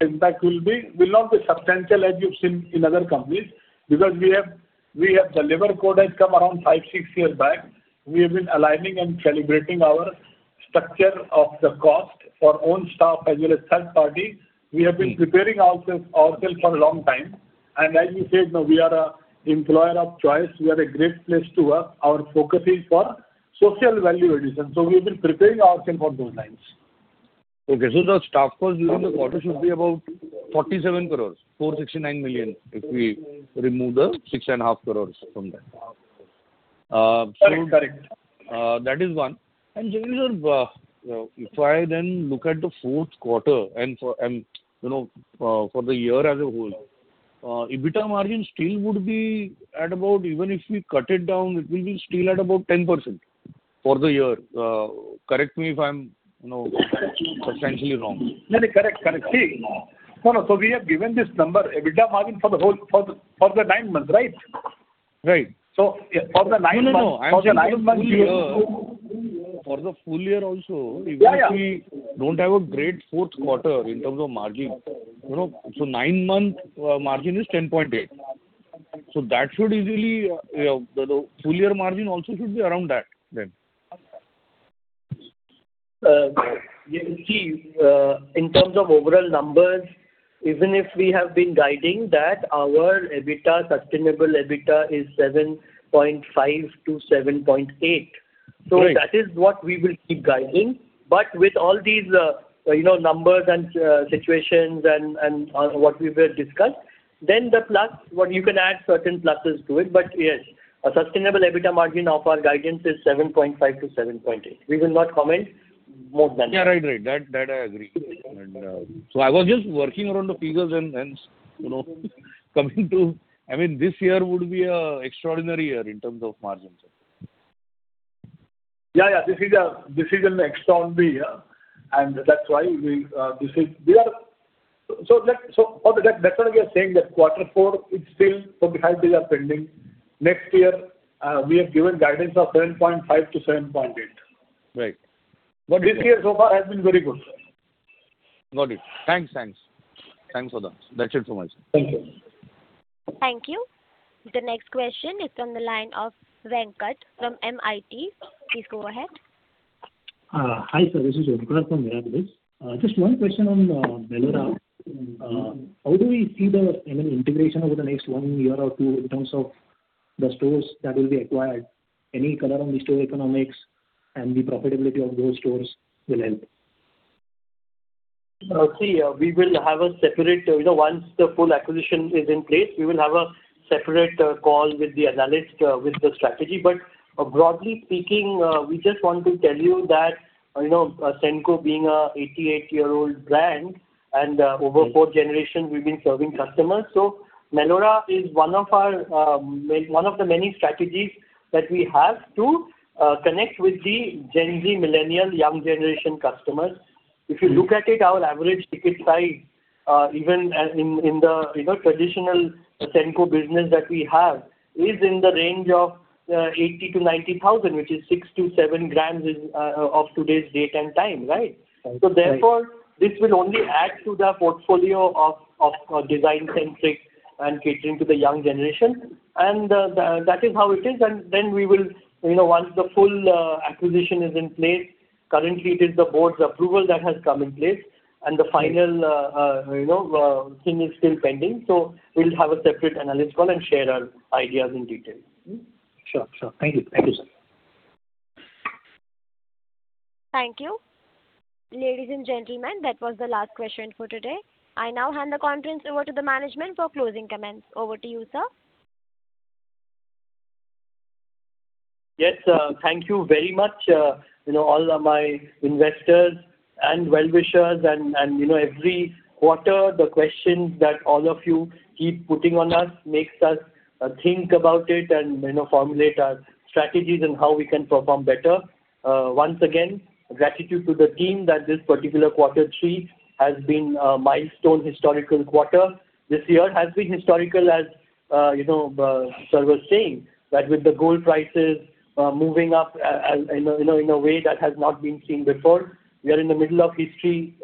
Impact will not be substantial as you've seen in other companies, because the labor code has come around 5 years, 6 years back. We have been aligning and calibrating our structure of the cost for own staff, as well as third party. We have been preparing ourselves for a long time, and as you said, we are a employer of choice. We are a great place to work. Our focus is for social value addition, so we've been preparing ourselves for those lines. Okay. So the staff cost during the quarter should be about 47.469 crore, if we remove the 6.5 crore from that. Correct, correct. That is one. And then, if I then look at the fourth quarter, and for the year as a whole, EBITDA margin still would be at about, even if we cut it down, it will be still at about 10% for the year. Correct me if I'm, you know, substantially wrong. No, correct. Correct. See, no. So we have given this number, EBITDA margin for the whole, for the nine months, right? Right. For the nine months- No, no. I'm saying for the full year, for the full year also- Yeah, yeah. even if we don't have a great fourth quarter in terms of margin, you know, so nine-month margin is 10.8%. So that should easily, the full year margin also should be around that then. You see, in terms of overall numbers, even if we have been guiding that our EBITDA, sustainable EBITDA, is 7.5-7.8. Right. So that is what we will keep guiding. But with all these, you know, numbers and, situations and what we will discuss, then the plus, what you can add certain pluses to it, but yes, a sustainable EBITDA margin of our guidance is 7.5%-7.8%. We will not comment more than that. Yeah, right, right. That, that I agree. And, so I was just working around the figures and, you know, coming to... I mean, this year would be a extraordinary year in terms of margins. Yeah, yeah. This is a, this is an extraordinary year, and that's why we, this is- we are. So let, so for that, that's why we are saying that quarter four, it's still some details are pending. Next year, we have given guidance of 7.5%-7.8%. Right. This year so far has been very good. Got it. Thanks, thanks. Thanks for that. That's it from us. Thank you. Thank you. The next question is from the line of Venkat from Mirabilis. Please go ahead. Hi, sir, this is Venkat from Mirabilis. Just one question on Melorra. How do we see the, I mean, integration over the next one year or two in terms of the stores that will be acquired? Any color on the store economics and the profitability of those stores will help. See, we will have a separate, you know, once the full acquisition is in place, we will have a separate, call with the analyst, with the strategy. But broadly speaking, we just want to tell you that, you know, Senco being a 88-year-old brand, and, over four generations we've been serving customers. So Melorra is one of our, one of the many strategies that we have to, connect with the Gen Z, millennial, young generation customers. If you look at it, our average ticket size, even as in, in the, you know, traditional Senco business that we have, is in the range of, 80,000-90,000, which is 6 grams-7 grams is, of today's date and time, right? Right. So therefore, this will only add to the portfolio of design centric and catering to the young generation. And, that is how it is, and then we will, you know, once the full acquisition is in place, currently it is the board's approval that has come in place, and the final, you know, thing is still pending. So we'll have a separate analyst call and share our ideas in detail. Sure, sure. Thank you. Thank you, sir. Thank you. Ladies and gentlemen, that was the last question for today. I now hand the conference over to the management for closing comments. Over to you, sir. Yes, thank you very much, you know, all of my investors and well-wishers and, and, you know, every quarter, the questions that all of you keep putting on us makes us, think about it and, you know, formulate our strategies and how we can perform better. Once again, gratitude to the team that this particular quarter three has been a milestone historical quarter. This year has been historical as, you know, sir was saying, that with the gold prices, moving up, you know, in a way that has not been seen before, we are in the middle of history,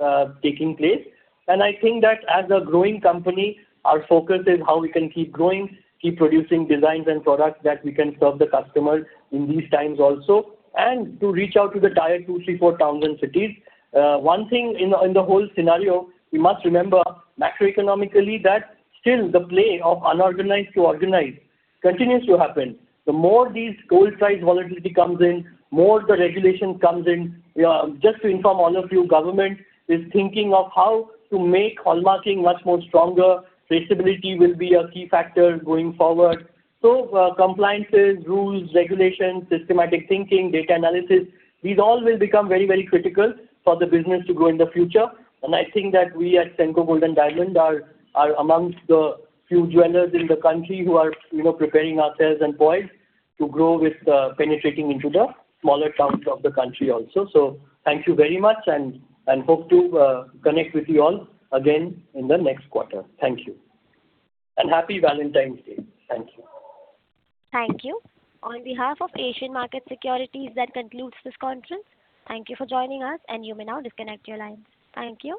taking place. I think that as a growing company, our focus is how we can keep growing, keep producing designs and products that we can serve the customers in these times also, and to reach out to the tier two, three, four towns and cities. One thing in the whole scenario, we must remember macroeconomically, that still the play of unorganized to organized continues to happen. The more these gold price volatility comes in, more the regulation comes in. Just to inform all of you, government is thinking of how to make hallmarking much more stronger. Traceability will be a key factor going forward. So, compliances, rules, regulations, systematic thinking, data analysis, these all will become very, very critical for the business to grow in the future. I think that we at Senco Gold & Diamonds are amongst the few jewelers in the country who are, you know, preparing ourselves and poised to grow with penetrating into the smaller towns of the country also. So thank you very much, and hope to connect with you all again in the next quarter. Thank you. Happy Valentine's Day. Thank you. Thank you. On behalf of Asian Market Securities, that concludes this conference. Thank you for joining us, and you may now disconnect your lines. Thank you.